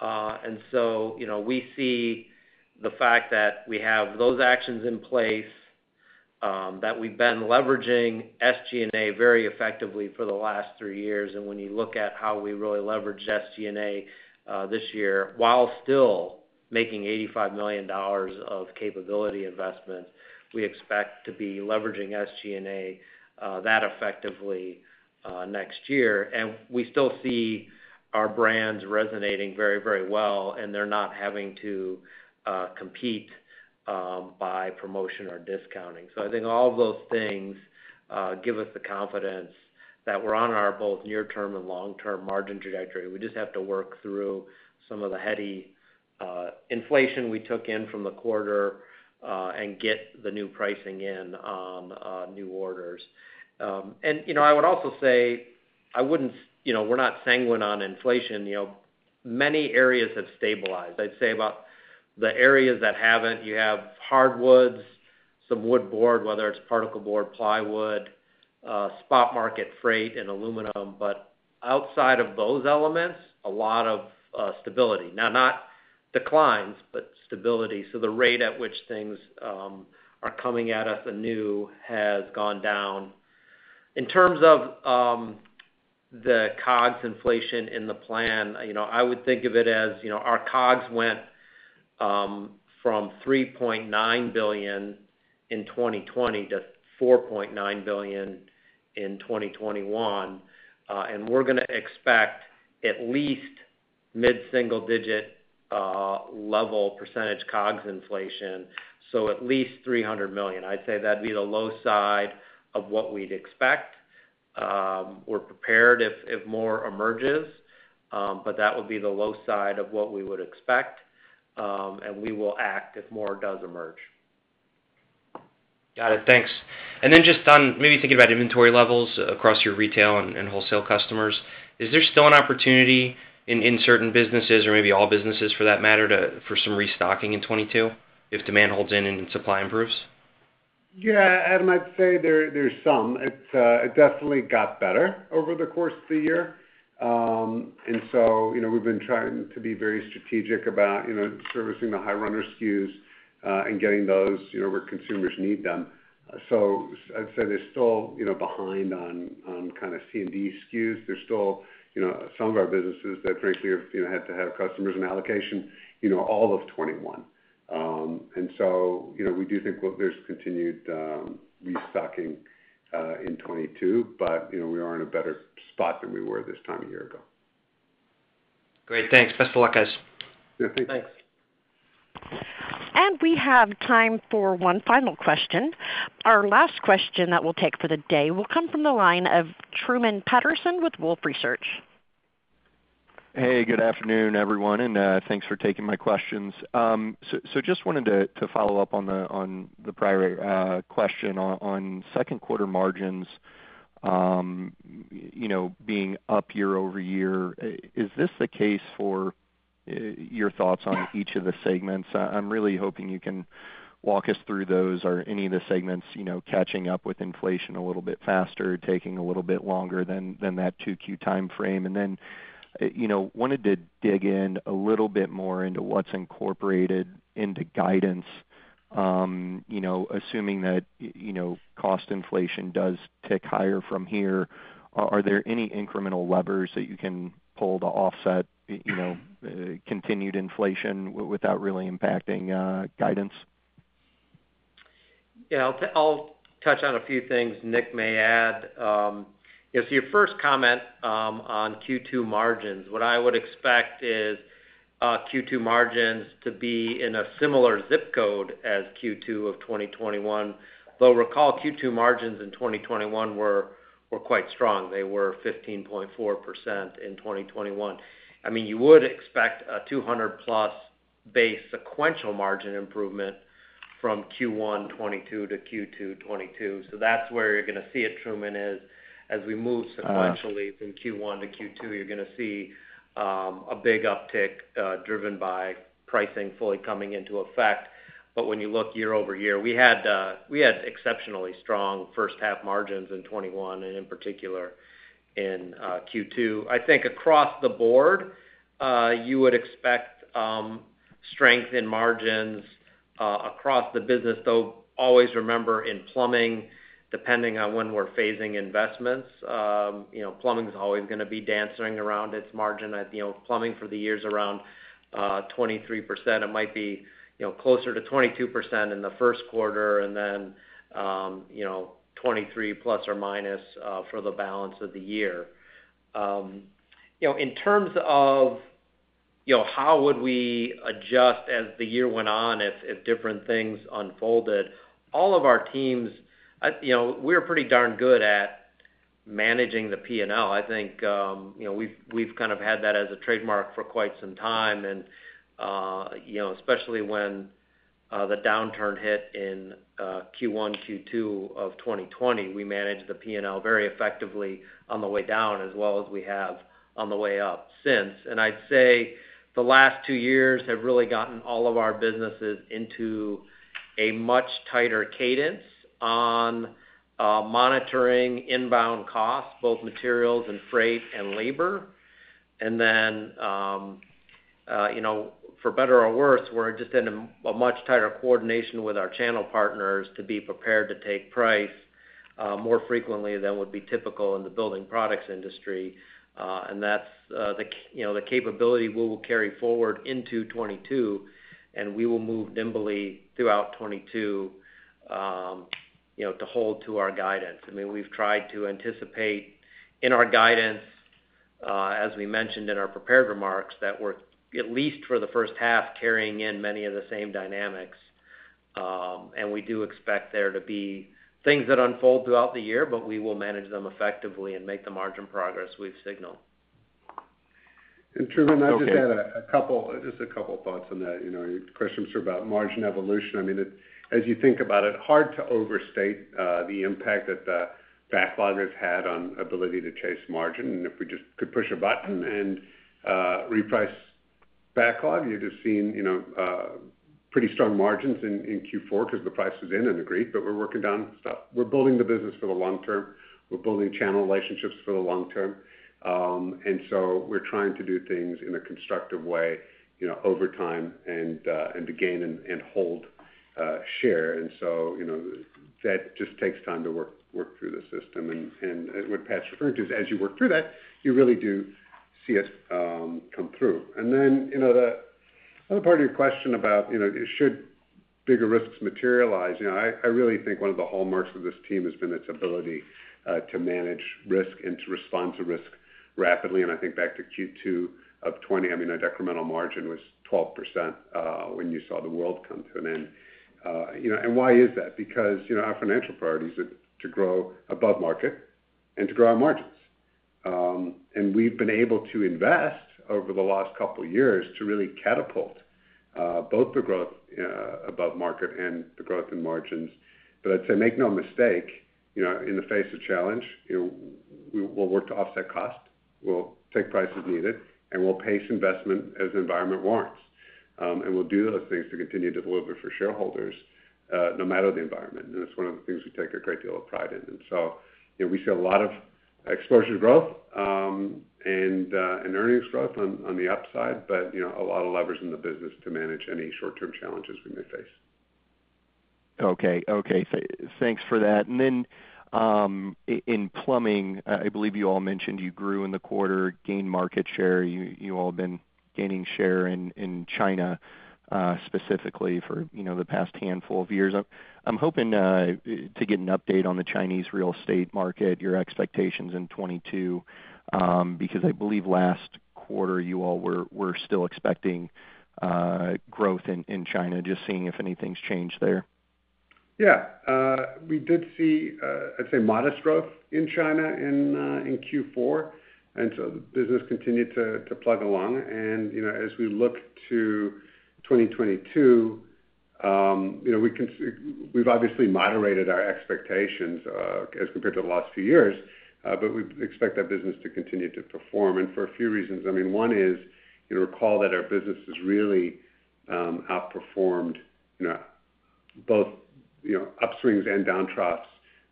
You know, we see the fact that we have those actions in place that we've been leveraging SG&A very effectively for the last three years. When you look at how we really leverage SG&A this year, while still making $85 million of capability investments, we expect to be leveraging SG&A that effectively next year. We still see our brands resonating very, very well, and they're not having to compete by promotion or discounting. I think all of those things give us the confidence that we're on our both near term and long-term margin trajectory. We just have to work through some of the heady inflation we took in from the quarter and get the new pricing in on new orders. You know, I would also say you know, we're not sanguine on inflation. You know, many areas have stabilized. I'd say about the areas that haven't, you have hardwoods, some wood board, whether it's particle board, plywood, spot market freight and aluminum. But outside of those elements, a lot of stability. Now not declines, but stability. The rate at which things are coming at us anew has gone down. In terms of the COGS inflation in the plan, you know, I would think of it as, you know, our COGS went from $3.9 billion in 2020 to $4.9 billion in 2021. We're gonna expect at least mid-single-digit level percentage COGS inflation, so at least $300 million. I'd say that'd be the low side of what we'd expect. We're prepared if more emerges, but that would be the low side of what we would expect. We will act if more does emerge. Got it. Thanks. Just on maybe thinking about inventory levels across your retail and wholesale customers, is there still an opportunity in certain businesses or maybe all businesses for that matter for some restocking in 2022 if demand holds up and supply improves? Yeah, Adam, I'd say there's some. It definitely got better over the course of the year. You know, we've been trying to be very strategic about, you know, servicing the high runner SKUs and getting those, you know, where consumers need them. So I'd say they're still, you know, behind on kind of C&D SKUs. They're still, you know, some of our businesses that frankly have, you know, had to have customers and allocation, you know, all of 2021. You know, we do think there's continued restocking in 2022, but, you know, we are in a better spot than we were this time a year ago. Great. Thanks. Best of luck, guys. Yeah. Thanks. Thanks. We have time for one final question. Our last question that we'll take for the day will come from the line of Truman Patterson with Wolfe Research. Hey, good afternoon, everyone, and thanks for taking my questions. So just wanted to follow up on the prior question on second quarter margins, you know, being up year-over-year. Is this the case for your thoughts on each of the segments? I'm really hoping you can walk us through those. Are any of the segments, you know, catching up with inflation a little bit faster, taking a little bit longer than that 2Q timeframe? Then you know, wanted to dig in a little bit more into what's incorporated into guidance, you know, assuming that you know, cost inflation does tick higher from here. Are there any incremental levers that you can pull to offset, you know, continued inflation without really impacting guidance? Yeah. I'll touch on a few things Nick may add. Yeah, so your first comment on Q2 margins, what I would expect is Q2 margins to be in a similar zip code as Q2 of 2021. Though recall, Q2 margins in 2021 were quite strong. They were 15.4% in 2021. I mean, you would expect a 200+ basis points sequential margin improvement from Q1 2022 to Q2 2022. That's where you're gonna see it, Truman, as we move sequentially. Uh- From Q1 to Q2, you're gonna see a big uptick driven by pricing fully coming into effect. But when you look year-over-year, we had exceptionally strong first half margins in 2021, and in particular in Q2. I think across the board, you would expect strength in margins across the business, though always remember in plumbing, depending on when we're phasing investments, you know, plumbing's always gonna be dancing around its margin at, you know, plumbing for the years around 23%. It might be, you know, closer to 22% in the first quarter and then, you know, 23% plus or minus for the balance of the year. You know, in terms of, you know, how would we adjust as the year went on if different things unfolded, all of our teams, you know, we're pretty darn good at managing the P&L, I think, you know, we've kind of had that as a trademark for quite some time. You know, especially when the downturn hit in Q1, Q2 of 2020, we managed the P&L very effectively on the way down as well as we have on the way up since. I'd say the last two years have really gotten all of our businesses into a much tighter cadence on monitoring inbound costs, both materials and freight and labor. You know, for better or worse, we're just in a much tighter coordination with our channel partners to be prepared to take price more frequently than would be typical in the building products industry. That's the capability we will carry forward into 2022, and we will move nimbly throughout 2022 to hold to our guidance. I mean, we've tried to anticipate in our guidance, as we mentioned in our prepared remarks, that we're, at least for the first half, carrying in many of the same dynamics. We do expect there to be things that unfold throughout the year, but we will manage them effectively and make the margin progress we've signaled. Truman, I'll just add a couple thoughts on that. You know, your questions are about margin evolution. I mean, as you think about it, hard to overstate the impact that the backlog has had on ability to chase margin. If we just could push a button and reprice backlog, you'd have seen, you know, pretty strong margins in Q4 because the price is in and agreed, but we're working down stuff. We're building the business for the long term. We're building channel relationships for the long term. We're trying to do things in a constructive way, you know, over time and to gain and hold share. You know, that just takes time to work through the system. What Pat referred to is, as you work through that, you really do see it come through. You know, the other part of your question about, you know, should bigger risks materialize, you know, I really think one of the hallmarks of this team has been its ability to manage risk and to respond to risk rapidly. I think back to Q2 of 2020. I mean, our incremental margin was 12% when you saw the world come to an end. You know, why is that? Because, you know, our financial priorities are to grow above market and to grow our margins. We've been able to invest over the last couple years to really catapult both the growth above market and the growth in margins. I'd say make no mistake, you know, in the face of challenge, you know, we'll work to offset cost. We'll take prices needed, and we'll pace investment as the environment warrants. We'll do those things to continue to deliver for shareholders, no matter the environment. It's one of the things we take a great deal of pride in. You know, we see a lot of exposure growth, and earnings growth on the upside, but, you know, a lot of levers in the business to manage any short-term challenges we may face. Okay. Thanks for that. In plumbing, I believe you all mentioned you grew in the quarter, gained market share. You all have been gaining share in China, specifically for, you know, the past handful of years. I'm hoping to get an update on the Chinese real estate market, your expectations in 2022, because I believe last quarter you all were still expecting growth in China. Just seeing if anything's changed there. Yeah. We did see, I'd say modest growth in China in Q4, and the business continued to plug along. You know, as we look to 2022, you know, we've obviously moderated our expectations, as compared to the last few years, but we expect that business to continue to perform, and for a few reasons. I mean, one is, you'll recall that our business has really outperformed, you know, both, you know, upswings and downtroughs,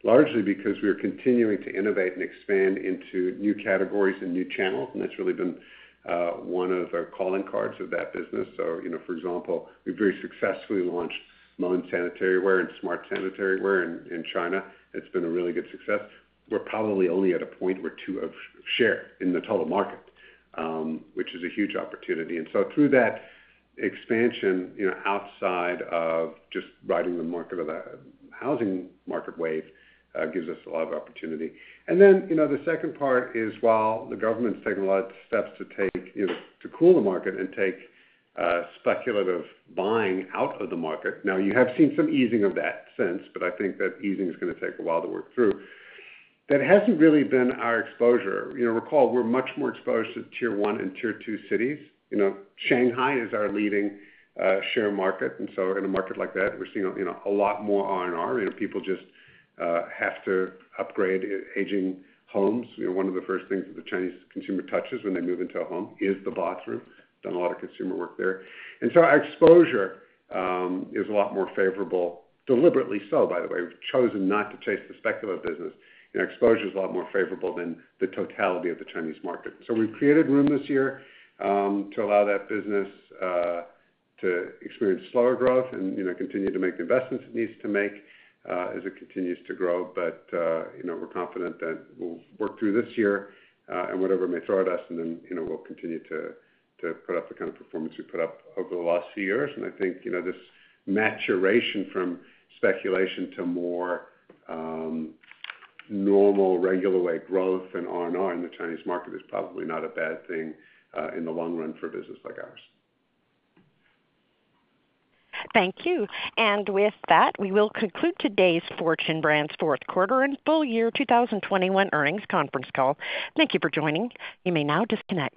largely because we are continuing to innovate and expand into new categories and new channels. That's really been one of our calling cards of that business. You know, for example, we very successfully launched Moen sanitary ware and Smart sanitary ware in China. It's been a really good success. We're probably only at a point or two of share in the total market, which is a huge opportunity. Through that expansion, you know, outside of just riding the market of the housing market wave, gives us a lot of opportunity. The second part is while the government's taking a lot of steps to take, you know, to cool the market and take, speculative buying out of the market. Now you have seen some easing of that since, but I think that easing is gonna take a while to work through. That hasn't really been our exposure. You know, recall, we're much more exposed to Tier One and Tier Two cities. You know, Shanghai is our leading, share market, and so in a market like that, we're seeing a you know, a lot more R&R. You know, people just have to upgrade aging homes. You know, one of the first things that the Chinese consumer touches when they move into a home is the box room. We've done a lot of consumer work there. Our exposure is a lot more favorable, deliberately so, by the way. We've chosen not to chase the speculative business. You know, exposure is a lot more favorable than the totality of the Chinese market. We've created room this year to allow that business to experience slower growth and, you know, continue to make the investments it needs to make as it continues to grow. We're confident that we'll work through this year and whatever it may throw at us, and then, you know, we'll continue to put up the kind of performance we've put up over the last few years. I think, you know, this maturation from speculation to more normal regular rate growth and R&R in the Chinese market is probably not a bad thing in the long run for a business like ours. Thank you. With that, we will conclude today's Fortune Brands fourth quarter and full year 2021 earnings conference call. Thank you for joining. You may now disconnect.